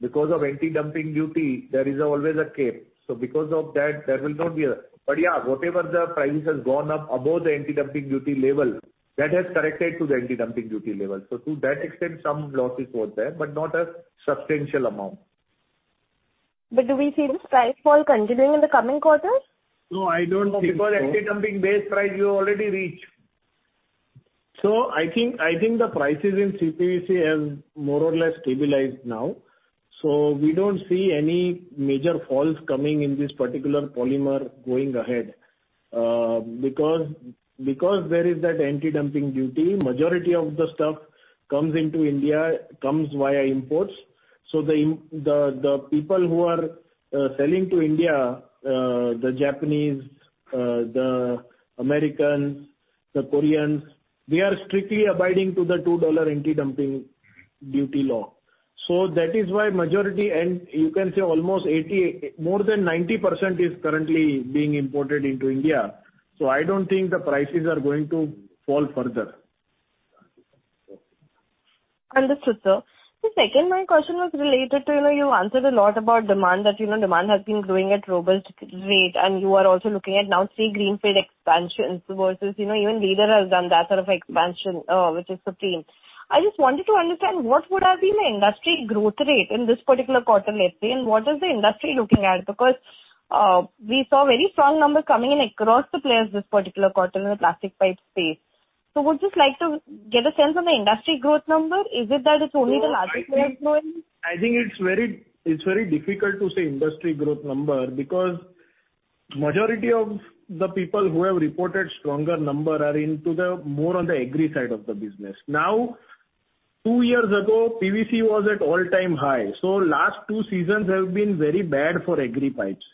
Because of Anti-dumping duty, there is always a cap. Because of that, there will not be a... whatever the price has gone up above the Anti-dumping duty level, that has corrected to the Anti-dumping duty level. To that extent, some losses were there, but not a substantial amount. Do we see this price fall continuing in the coming quarters? No, I don't think so. No, because Anti-dumping base price, we already reached. I think, I think the prices in CPVC have more or less stabilized now, so we don't see any major falls coming in this particular polymer going ahead. Because, because there is that Anti-dumping duty, majority of the stuff comes into India, comes via imports. The people who are selling to India, the Japanese, the Americans, the Koreans, they are strictly abiding to the $2 Anti-dumping duty law. That is why majority, and you can say almost 80, more than 90% is currently being imported into India. I don't think the prices are going to fall further. Understood, sir. The second, my question was related to, you know, you answered a lot about demand, that, you know, demand has been growing at robust rate, and you are also looking at now three greenfield expansions versus, you know, even leader has done that sort of expansion, which is Supreme. I just wanted to understand, what would have been the industry growth rate in this particular quarter, let's say, and what is the industry looking at? Because, we saw very strong numbers coming in across the players, this particular quarter in the plastic pipe space. Would just like to get a sense on the industry growth number. Is it that it's only the large players growing? I think it's very, it's very difficult to say industry growth number, because majority of the people who have reported stronger number are into the more on the Agri side of the business. Now, two years ago, PVC was at all-time high, so last two seasons have been very bad for Agri pipes.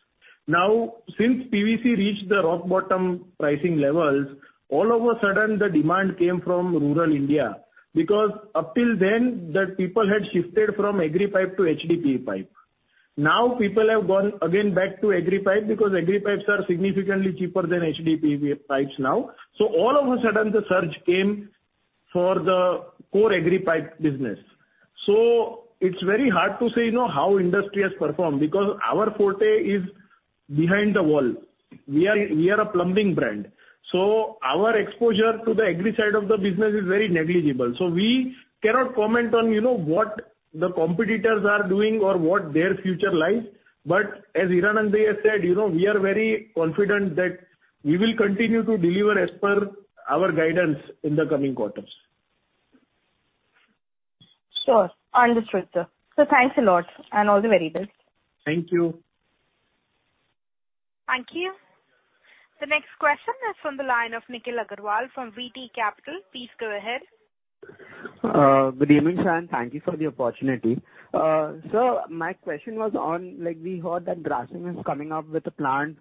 Now, since PVC reached the rock-bottom pricing levels, all of a sudden, the demand came from rural India, because up till then, the people had shifted from Agri pipe to HDPE pipe. Now, people have gone again back to Agri pipe because Agri pipes are significantly cheaper than HDPE pipes now. All of a sudden, the surge came for the core Agri pipe business. It's very hard to say, you know, how industry has performed, because our forte is behind the wall. We are a plumbing brand, so our exposure to the agri side of the business is very negligible. We cannot comment on, you know, what the competitors are doing or what their future lies. As Hiranand has said, you know, we are very confident that we will continue to deliver as per our guidance in the coming quarters. Sure. Understood, sir. Thanks a lot, and all the very best. Thank you. Thank you. The next question is from the line of Nikhil Agarwal from VT Capital. Please go ahead. Good evening, sir, and thank you for the opportunity. My question was on, like, we heard that Grasim is coming up with a plant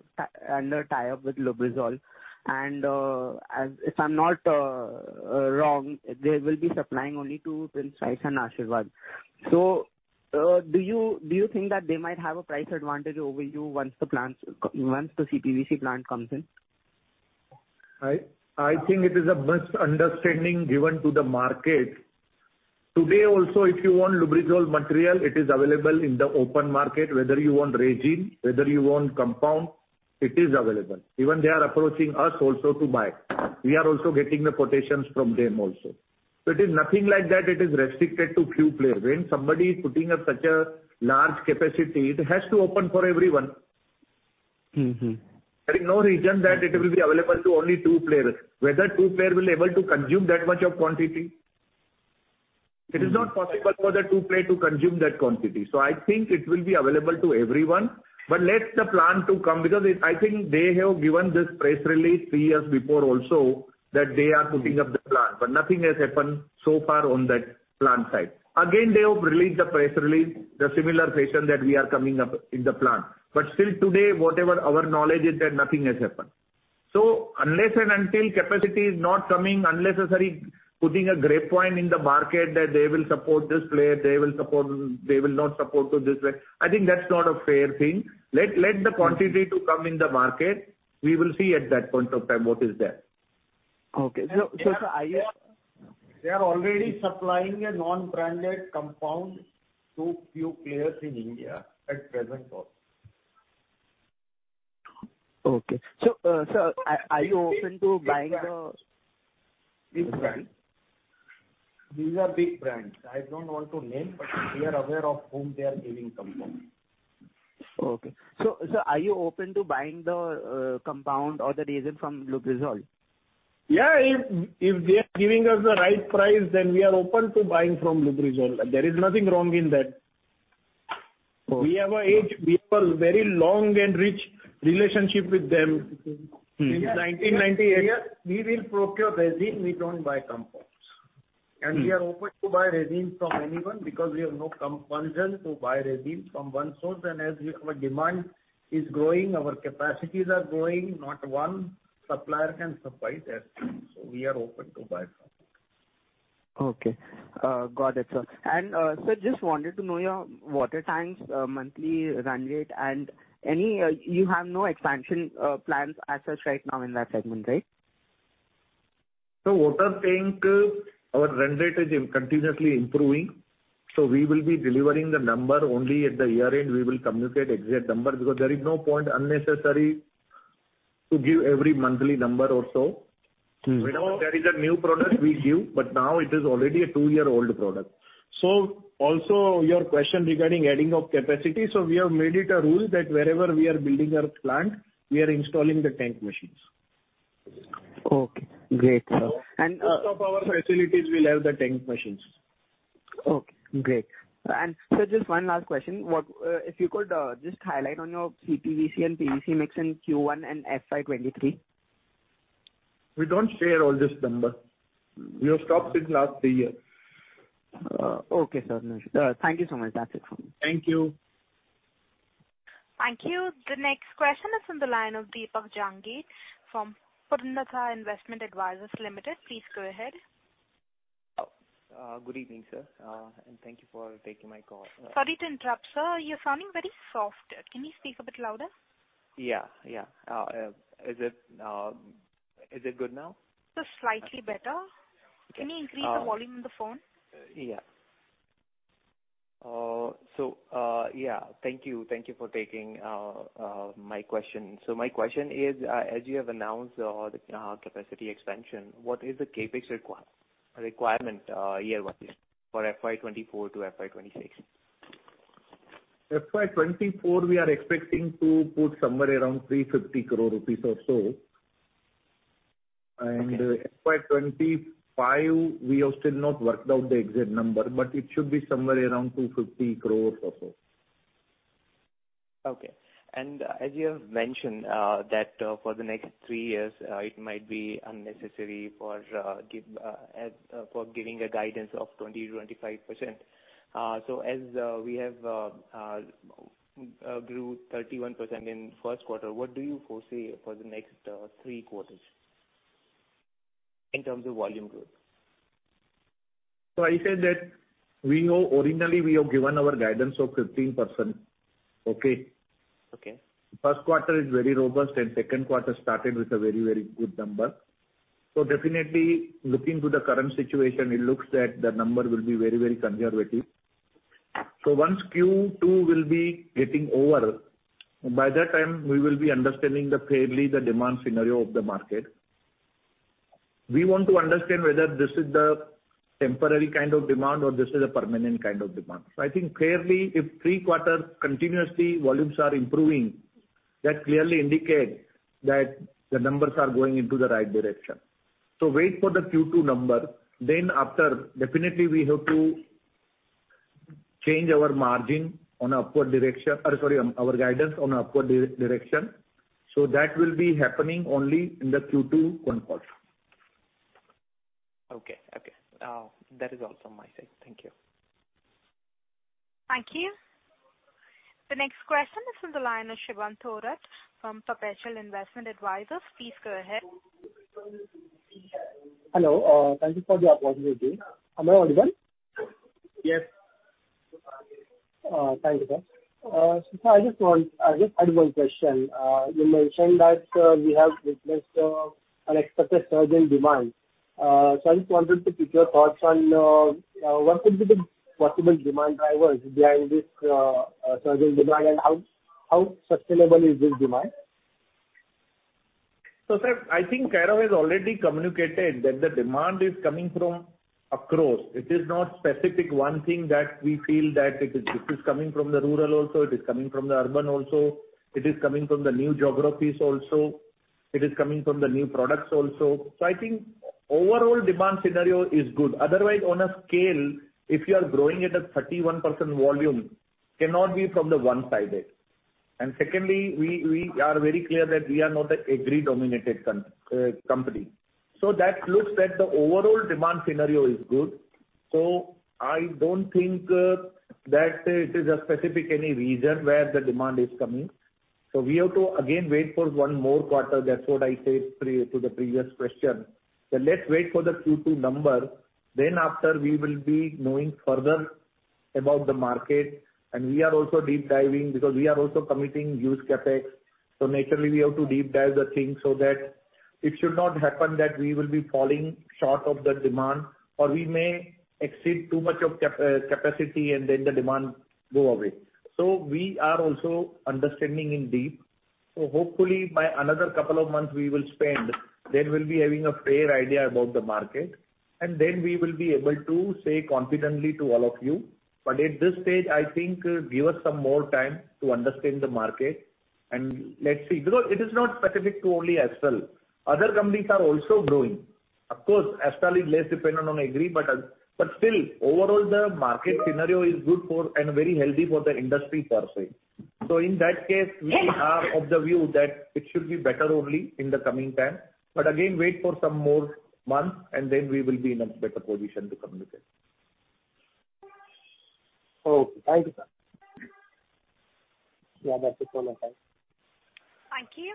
under tie-up with Lubrizol, and if I'm not wrong, they will be supplying only to Prince Pipes and Ashirvad. Do you, do you think that they might have a price advantage over you once the plants, once the CPVC plant comes in? I, I think it is a misunderstanding given to the market. Today, also, if you want Lubrizol material, it is available in the open market, whether you want resin, whether you want compound, it is available. Even they are approaching us also to buy. We are also getting the quotations from them also. It is nothing like that, it is restricted to few players. When somebody is putting up such a large capacity, it has to open for everyone. Mm-hmm. There is no reason that it will be available to only two players. Whether two player will be able to consume that much of quantity? It is not possible for the two player to consume that quantity. I think it will be available to everyone. Let the plant to come, because I think they have given this press release three years before also, that they are putting up the plant, but nothing has happened so far on that plant side. Again, they have released a press release, the similar fashion that we are coming up in the plant. Still today, whatever our knowledge, is that nothing has happened. Unless and until capacity is not coming, unnecessary putting a grapevine in the market, that they will support this player, they will support, they will not support to this player, I think that's not a fair thing. Let, let the quantity to come in the market, we will see at that point of time what is there. Okay. sir, are you- They are already supplying a non-branded compound to few players in India at present also. Okay. Sir, are you open to buying? Big brand. These are big brands. I don't want to name, but we are aware of whom they are giving compounds. Okay. sir, are you open to buying the compound or the resin from Lubrizol? Yeah, if they are giving us the right price, then we are open to buying from Lubrizol. There is nothing wrong in that. Okay. We have a very long and rich relationship with them. Mm-hmm. Since 1998 We will procure resin, we don't buy compounds. Mm. We are open to buy resin from anyone because we have no compulsion to buy resin from one source. As our demand is growing, our capacities are growing, not one supplier can supply that. We are open to buy from. Okay. Got it, sir. Sir, just wanted to know your water tanks monthly run rate and any. You have no expansion plans as such right now in that segment, right? Water tank, our run rate is continuously improving, so we will be delivering the number. Only at the year-end, we will communicate exact number, because there is no point unnecessary to give every monthly number also. Mm. We know there is a new product we give, but now it is already a two-year-old product. Also, your question regarding adding of capacity, so we have made it a rule that wherever we are building our plant, we are installing the tank machines. Okay, great, sir. Out of our facilities, we'll have the tank machines. Okay, great. Just one last question: What if you could just highlight on your PVC and PVC mix in Q1 and FY23? We don't share all this number. We have stopped since last three years. Okay, sir. Thank you so much. That's it from me. Thank you. Thank you. The next question is from the line of Deepak Jangid from Purnartha Investment Advisers Limited. Please go ahead. Good evening, sir. Thank you for taking my call. Sorry to interrupt, sir. You're sounding very soft. Can you speak a bit louder? Yeah, yeah. Is it good now? Just slightly better. Uh. Can you increase the volume on the phone? Yeah, thank you. Thank you for taking my question. My question is, as you have announced the capacity expansion, what is the CapEx requirement year-wise for FY 2024 to FY 2026? FY 2024, we are expecting to put somewhere around 350 crore rupees or so. FY 2025, we have still not worked out the exact number, but it should be somewhere around 250 crore or so. Okay. As you have mentioned, that, for the next three years, it might be unnecessary for giving a guidance of 20%-25%. As we have grew 31% in first quarter, what do you foresee for the next three quarters in terms of volume growth? I said that we know originally we have given our guidance of 15%. Okay? Okay. First quarter is very robust, and second quarter started with a very, very good number. Definitely, looking to the current situation, it looks that the number will be very, very conservative. Once Q2 will be getting over, by that time, we will be understanding the fairly, the demand scenario of the market. We want to understand whether this is the temporary kind of demand or this is a permanent kind of demand. I think fairly, if three quarters continuously volumes are improving, that clearly indicate that the numbers are going into the right direction. Wait for the Q2 number, then after, definitely we have to change our margin on upward direction, or sorry, our guidance on upward direction. That will be happening only in the Q2 conference. Okay. Okay, that is all from my side. Thank you. Thank you. The next question is from the line of Shubham Thorat from Perpetual Investment Advisors. Please go ahead. Hello, thank you for the opportunity. Am I audible? Yes. Thank you, sir. I just had one question. You mentioned that we have witnessed an expected surge in demand. I just wanted to pick your thoughts on what could be the possible demand drivers behind this surge in demand, and how, how sustainable is this demand? Sir, I think Kairav has already communicated that the demand is coming from across. It is not specific one thing that we feel that it is coming from the rural also, it is coming from the urban also, it is coming from the new geographies also, it is coming from the new products also. I think overall demand scenario is good. Otherwise, on a scale, if you are growing at a 31% volume, cannot be from the one-sided. Secondly, we are very clear that we are not a agri-dominated company. That looks that the overall demand scenario is good. I don't think that it is a specific any region where the demand is coming. We have to again wait for one more quarter. That's what I said to the previous question. Let's wait for the Q2 number, then after we will be knowing further about the market, and we are also deep diving because we are also committing huge CapEx. Naturally we have to deep dive the thing so that it should not happen, that we will be falling short of the demand, or we may exceed too much of capacity and then the demand go away. We are also understanding in deep. Hopefully by another 2 months we will spend, then we'll be having a fair idea about the market, and then we will be able to say confidently to all of you. At this stage, I think, give us some more time to understand the market and let's see. It is not specific to only Astral, other companies are also growing. Of course, Astral is less dependent on Agri, but, but still, overall, the market scenario is good for and very healthy for the industry per se. In that case, we are of the view that it should be better only in the coming time. Again, wait for some more months, and then we will be in a better position to communicate. Okay. Thank you, sir. Yeah, that's it for now. Bye. Thank you.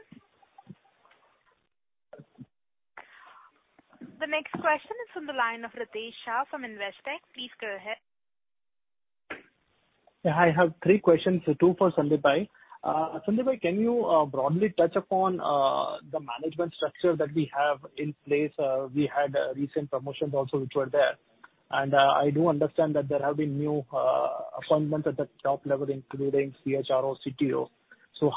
The next question is from the line of Ritesh Shah from Investec. Please go ahead. Yeah, I have three questions, two for Sandeep brother. Sandeep brother, can you broadly touch upon the management structure that we have in place? We had recent promotions also, which were there. I do understand that there have been new appointments at the top level, including CHRO, CTO.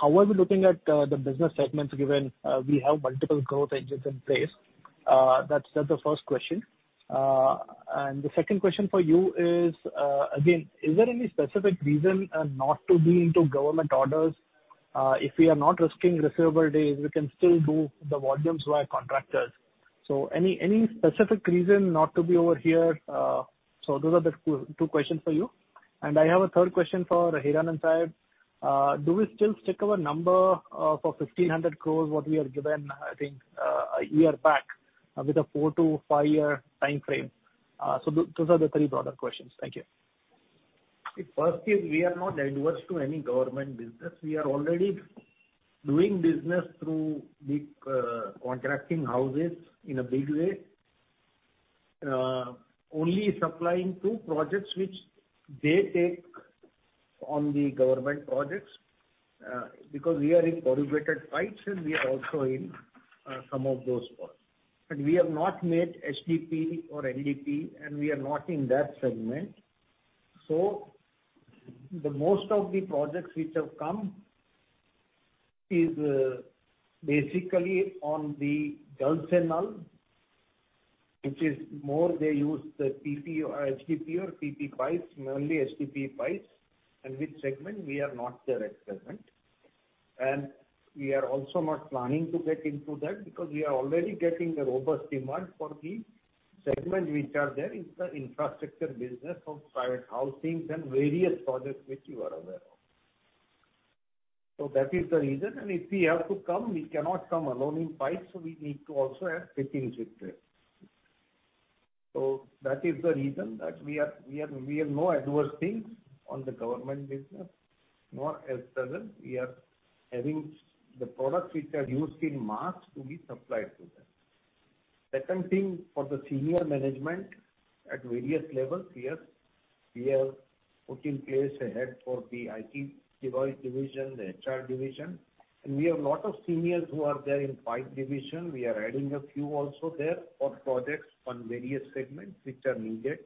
How are we looking at the business segments, given we have multiple growth engines in place? That's the first question. The second question for you is, again, is there any specific reason not to be into government orders? If we are not risking receivable days, we can still do the volumes via contractors. Any, any specific reason not to be over here? Those are the two questions for you. I have a third question for Hiranand Savlani. Do we still stick our number for 1,500 crore, what we have given, I think, a year back, with a four to five year time frame? Those are the three broader questions. Thank you. First is we are not adverse to any government business. We are already doing business through the contracting houses in a big way. Only supplying two projects which they take on the government projects, because we are in corrugated pipes, and we are also in some of those parts. We have not made HDPE or LDPE, and we are not in that segment. The most of the projects which have come is basically on the, which is more they use the PP or HDPE or PP pipes, mainly HDPE pipes, and which segment we are not there at present. We are also not planning to get into that because we are already getting a robust demand for the segment which are there in the infrastructure business of private housings and various projects which you are aware of. That is the reason. If we have to come, we cannot come alone in pipes, so we need to also have fittings with it. That is the reason that we are, we have no adverse things on the government business. Nor as present, we are having the products which are used in mass to be supplied to them. Second thing, for the senior management at various levels, we have put in place a head for the IT device division, the HR division, and we have a lot of seniors who are there in pipe division. We are adding a few also there for projects on various segments which are needed.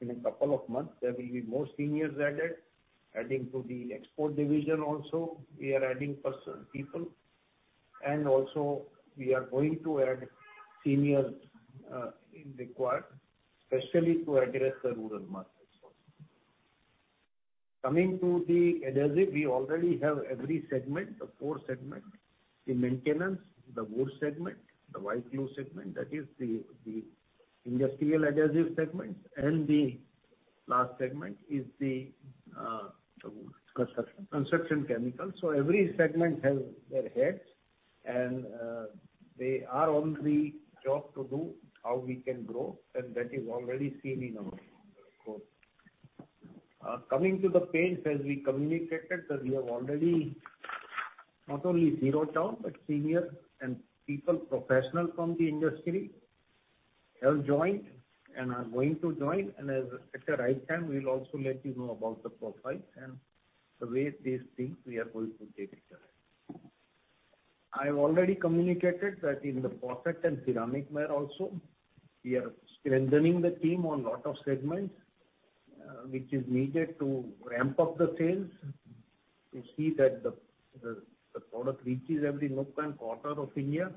In a couple of months, there will be more seniors added. Adding to the export division also, we are adding person, people, and also we are going to add seniors, in required, especially to address the rural markets also. Coming to the adhesive, we already have every segment, the four segment: the maintenance, the wood segment, the white glue segment, that is the industrial adhesive segment, and the last segment is the. Construction Construction chemicals. Every segment has their heads, and they are on the job to do, how we can grow, and that is already seen in our growth. Coming to the paints, as we communicated, that we have already not only zero town, but senior and people, professional from the industry, have joined and are going to join. As at the right time, we will also let you know about the profile and the way these things we are going to take it there. I've already communicated that in the porcelain ceramic ware also, we are strengthening the team on lot of segments, which is needed to ramp up the sales to see that the, the, the product reaches every nook and corner of India,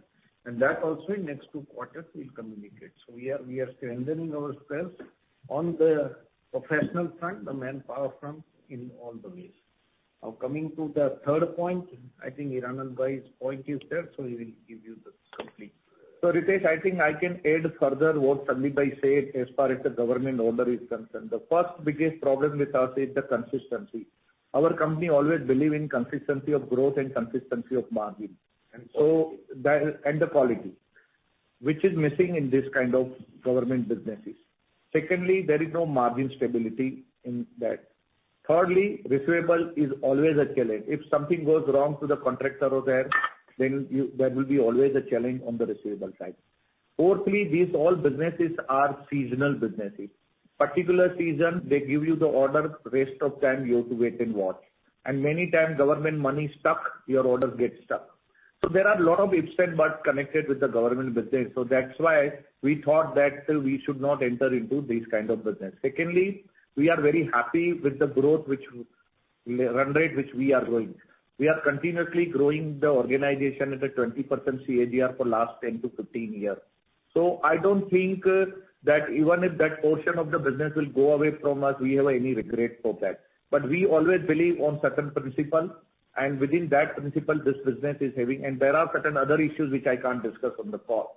and that also in next two quarters, we'll communicate. We are, we are strengthening ourselves on the professional front, the manpower front, in all the ways. Coming to the third point, I think Hiranandbhai's point is there, so he will give you the complete. Ritesh, I think I can add further what Sandeepbhai said as far as the government order is concerned. The first biggest problem with us is the consistency. Our company always believe in consistency of growth and consistency of margin, and so that, and the quality, which is missing in this kind of government businesses. Secondly, there is no margin stability in that. Thirdly, receivable is always a challenge. If something goes wrong to the contractor over there, then you, that will be always a challenge on the receivable side. Fourthly, these all businesses are seasonal businesses. Particular season, they give you the order, rest of time you have to wait and watch. Many times, government money stuck, your orders get stuck. There are a lot of ifs and buts connected with the government business. That's why we thought that we should not enter into this kind of business. Secondly, we are very happy with the growth which, run rate, which we are growing. We are continuously growing the organization at a 20% CAGR for last 10-15 years. I don't think that even if that portion of the business will go away from us, we have any regret for that. We always believe on certain principle, and within that principle, this business is having... There are certain other issues which I can't discuss on the call.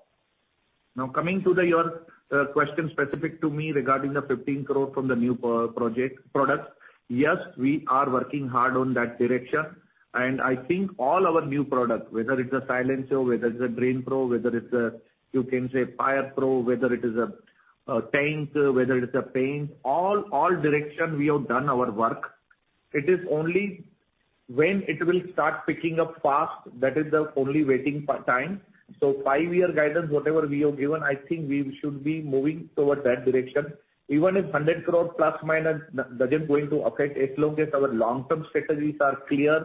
Coming to the, your, question specific to me regarding the 15 crore from the new project, product. Yes, we are working hard on that direction, I think all our new product, whether it's a Silencio, whether it's a DrainPro, whether it's a, you can say, FirePro, whether it is a, a tank, whether it's a paint, all, all direction we have done our work. It is only when it will start picking up fast, that is the only waiting time. five-year guidance, whatever we have given, I think we should be moving toward that direction. Even if 100 crore plus, minus, doesn't going to affect, as long as our long-term strategies are clear,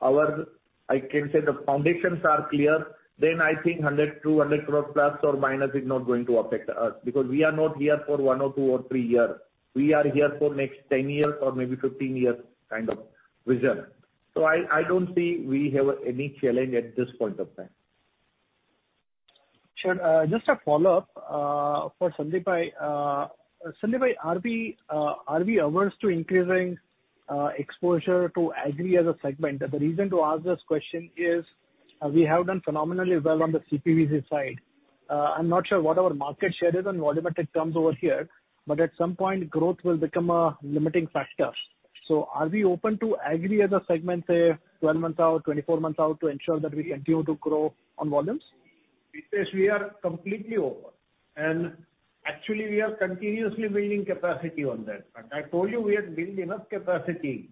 our, I can say, the foundations are clear, then I think 100 to 200 crore plus or minus is not going to affect us. We are not here for one or two or three years. We are here for next 10 years or maybe 15 years kind of vision. I, I don't see we have any challenge at this point of time. Sure, just a follow-up, for Sandeep. Sandeep, are we averse to increasing exposure to Agri as a segment? The reason to ask this question is, we have done phenomenally well on the CPVC side. I'm not sure what our market share is on volumetric terms over here, but at some point, growth will become a limiting factor. Are we open to Agri as a segment, say, 12 months out, 24 months out, to ensure that we continue to grow on volumes? Ritesh, we are completely over, actually we are continuously building capacity on that. I told you we had built enough capacity.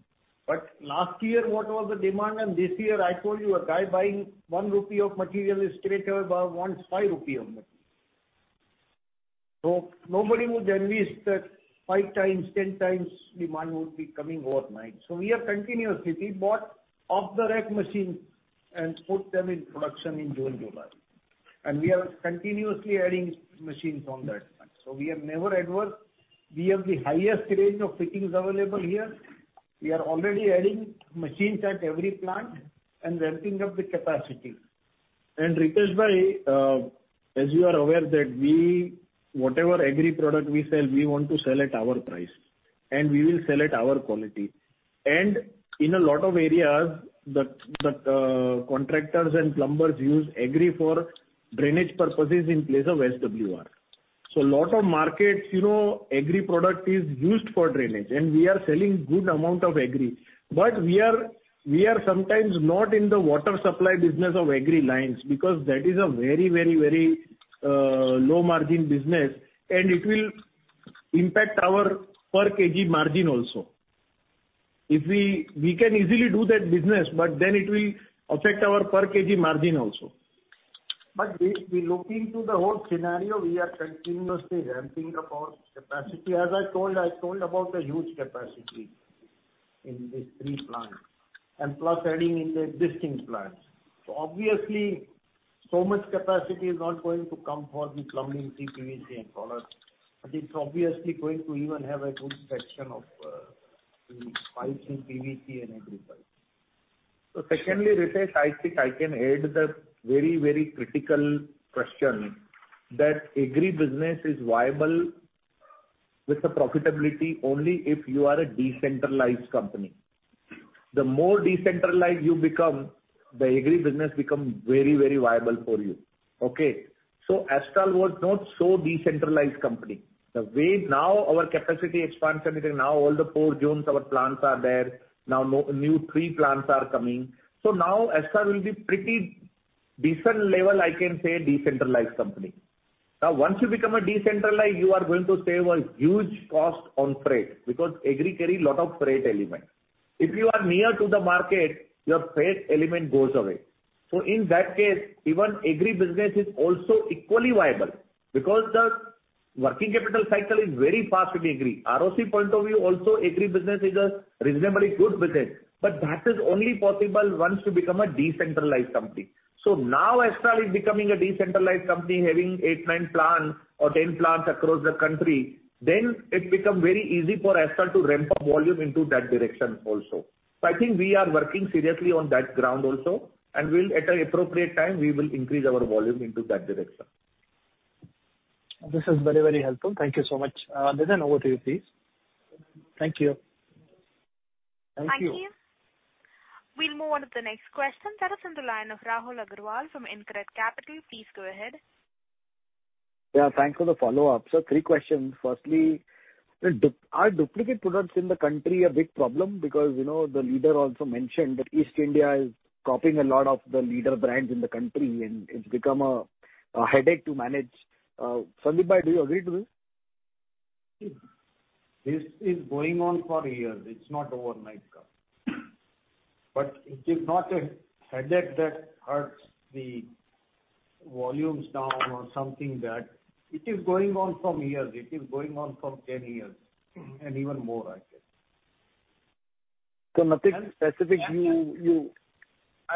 Last year, what was the demand, and this year, I told you a guy buying 1 rupee of material is straight away wants 5 rupee of material. Nobody would unleash that 5 times, 10 times demand would be coming overnight. We have continuously bought off-the-rack machine and put them in production in June, July. We are continuously adding machines on that front. We are never adverse. We have the highest range of fittings available here. We are already adding machines at every plant and ramping up the capacity. Ritesh Shah, as you are aware, that we, whatever Agri product we sell, we want to sell at our price, and we will sell at our quality. In a lot of areas, the, the contractors and plumbers use Agri for drainage purposes in place of SWR. Lot of markets, you know, Agri product is used for drainage, and we are selling good amount of Agri. We are, we are sometimes not in the water supply business of Agri lines, because that is a very, very, very low margin business, and it will impact our per KG margin also. If we, we can easily do that business, but then it will affect our per KG margin also. We looking to the whole scenario, we are continuously ramping up our capacity. As I told about the huge capacity in these three plants, plus adding in the existing plants. Obviously, so much capacity is not going to come for the plumbing, CPVC and products, but it's obviously going to even have a good section of pipes and PVC and Agri pipes. Secondly, Ritesh, I think I can add the very, very critical question, that Agri business is viable with the profitability only if you are a decentralized company. The more decentralized you become, the Agri business become very, very viable for you. Okay? Astral was not so decentralized company. The way now our capacity expansion is, now all the four zones, our plants are there, now new three plants are coming. Now Astral will be pretty decent level, I can say, decentralized company. Now, once you become a decentralized, you are going to save a huge cost on freight, because Agri carry lot of freight element. If you are near to the market, your freight element goes away. In that case, even Agri business is also equally viable, because the working capital cycle is very fast in Agri. ROC point of view, also, Agri business is a reasonably good business, but that is only possible once you become a decentralized company. Now Astral is becoming a decentralized company, having 8, 9 plants or 10 plants across the country, then it become very easy for Astral to ramp up volume into that direction also. I think we are working seriously on that ground also, and we'll, at an appropriate time, we will increase our volume into that direction. This is very, very helpful. Thank you so much. Nitin, over to you, please. Thank you. Thank you. Thank you. We'll move on to the next question. That is in the line of Rahul Agarwal from InCred Capital. Please go ahead. Yeah, thanks for the follow-up. Sir, three questions: firstly, are duplicate products in the country a big problem? Because, you know, the leader also mentioned that East India is copying a lot of the leader brands in the country, and it's become a, a headache to manage. Sandeep bhai, do you agree to this? This is going on for years. It's not overnight come. It is not a headache that hurts the volumes down or something that. It is going on from years. It is going on from 10 years, and even more, I think. Nothing specific you...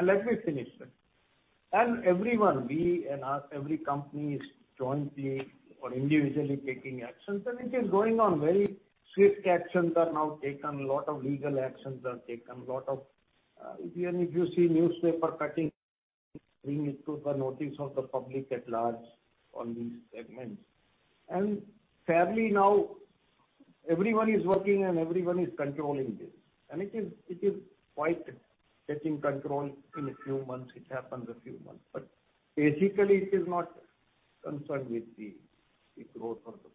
Let me finish then. Everyone, we and our every company, is jointly or individually taking actions, and it is going on. Very strict actions are now taken, a lot of legal actions are taken, lot of, even if you see newspaper cutting, bring it to the notice of the public at large on these segments. Fairly now, everyone is working and everyone is controlling this, and it is, it is quite getting controlled in a few months. It happens a few months, basically it is not concerned with the, the growth of the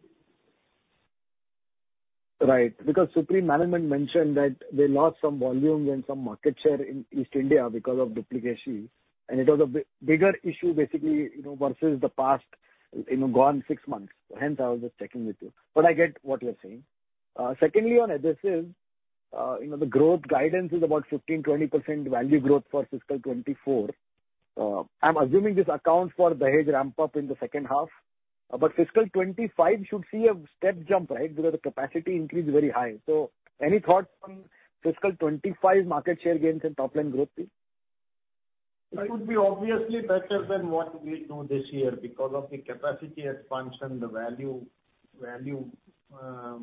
business. Right. Because Supreme Industries mentioned that they lost some volumes and some market share in East India because of duplication, and it was a bigger issue, basically, you know, versus the past, you know, gone six months. Hence, I was just checking with you. I get what you're saying. Secondly, on adhesives, you know, the growth guidance is about 15%-20% value growth for fiscal 2024. I'm assuming this accounts for the ramp-up in the second half, but fiscal 2025 should see a step jump, right? Because the capacity increase is very high. Any thoughts on fiscal 2025 market share gains and top line growth, please? It would be obviously better than what we do this year because of the capacity expansion, the value, value,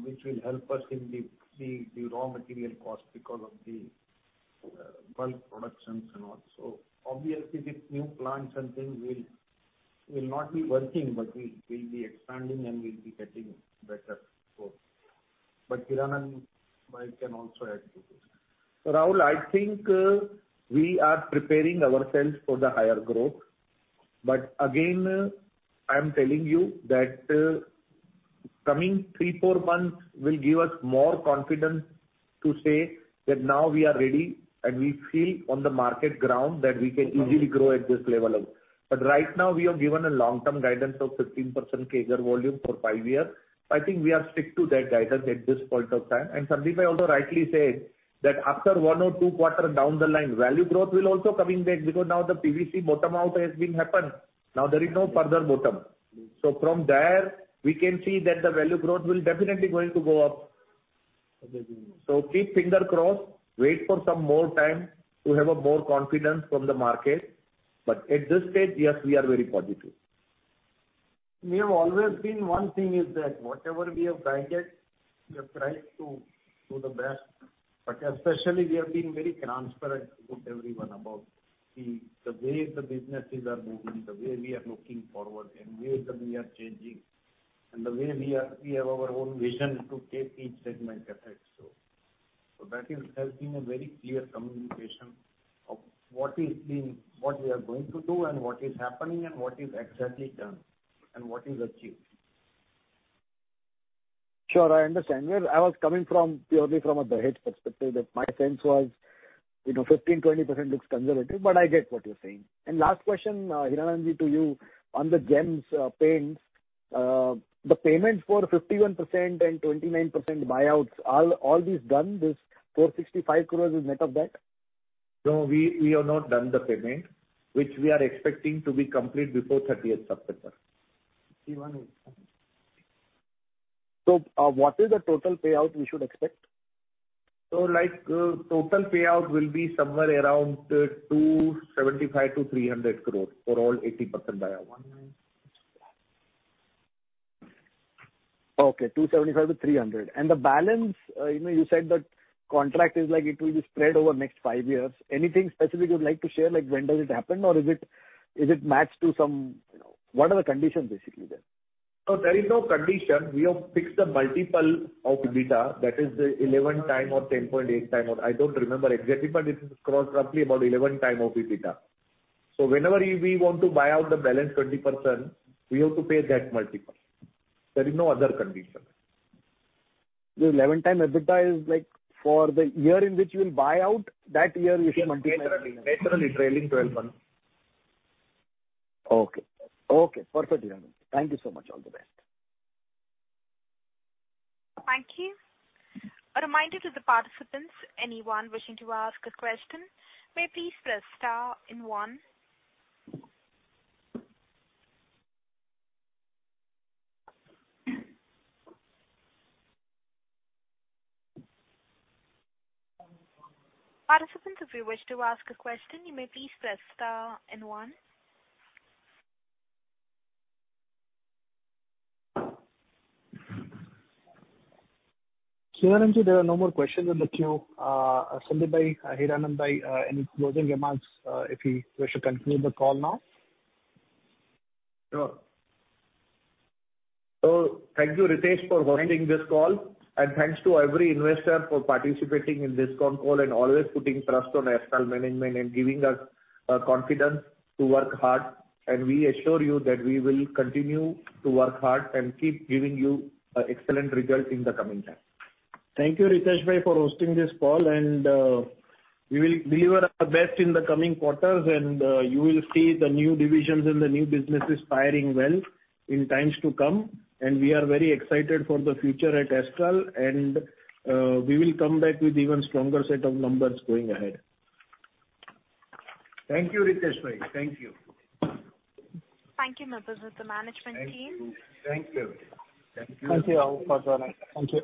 which will help us in the, the, the raw material cost because of the, bulk productions and all. Obviously, the new plants and things will, will not be working, but we, we'll be expanding and we'll be getting better growth. Hiranand brother can also add to this. Rahul, I think, we are preparing ourselves for the higher growth. Again, I'm telling you that, coming three, four months will give us more confidence to say that now we are ready, and we feel on the market ground that we can easily grow at this level of. Right now, we have given a long-term guidance of 15% CAGR volume for five years. I think we are stick to that guidance at this point of time. Sandeep also rightly said that after one or two quarter down the line, value growth will also coming back because now the PVC bottom out has been happened. Now, there is no further bottom. From there, we can see that the value growth will definitely going to go up. Absolutely. Keep finger crossed, wait for some more time to have a more confidence from the market. At this stage, yes, we are very positive. We have always been one thing is that whatever we have guided, we have tried to do the best, but especially we have been very transparent with everyone about the, the way the businesses are moving, the way we are looking forward, and the way that we are changing, and the way we have our own vision to take each segment ahead. That is, has been a very clear communication of what is being, what we are going to do and what is happening, and what is exactly done, and what is achieved. Sure, I understand. Where I was coming from, purely from a behad perspective, that my sense was, you know, 15%-20% looks conservative, but I get what you're saying. Last question, Hiranandji, to you. On the Gem Paints, the payments for 51% and 29% buyouts, are all these done, this 465 crore is net of that? No, we, we have not done the payment, which we are expecting to be complete before thirtieth September. 51. What is the total payout we should expect? Like, total payout will be somewhere around 275-300 crore for all 80% buyout. Okay, 275-300. The balance, you know, you said that contract is like it will be spread over the next five years. Anything specific you'd like to share, like when does it happen, or is it, is it matched to some... What are the conditions basically there? There is no condition. We have fixed a multiple of EBITDA that is 11 times or 10.8 times, or I don't remember exactly, but it is cross roughly about 11 times of EBITDA. Whenever we want to buy out the balance 20%, we have to pay that multiple. There is no other condition. The 11x EBITDA is like for the year in which you will buy out, that year you should multiply? Naturally, naturally, trailing 12 months. Okay. Okay, perfect, Hiranand. Thank you so much. All the best. Thank you. A reminder to the participants, anyone wishing to ask a question, may please press star and 1. Participants, if you wish to ask a question, you may please press star and 1. Hiranandji, there are no more questions in the queue. Sandeep bhai, Hiranand bhai, any closing remarks, if we wish to conclude the call now? Sure. Thank you, Ritesh, for hosting this call, and thanks to every investor for participating in this call and always putting trust on Astral Management and giving us confidence to work hard. We assure you that we will continue to work hard and keep giving you excellent results in the coming time. Thank you, Ritesh Shah, for hosting this call, we will deliver our best in the coming quarters, you will see the new divisions and the new businesses firing well in times to come. We are very excited for the future at Astral, we will come back with even stronger set of numbers going ahead. Thank you, Ritesh bhai. Thank you. Thank you, members of the management team. Thank you. Thank you. Thank you all for joining. Thank you.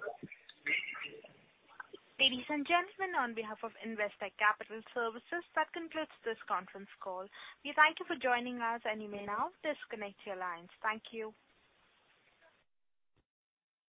Ladies and gentlemen, on behalf of Investec Capital Services, that concludes this conference call. We thank you for joining us, and you may now disconnect your lines. Thank you.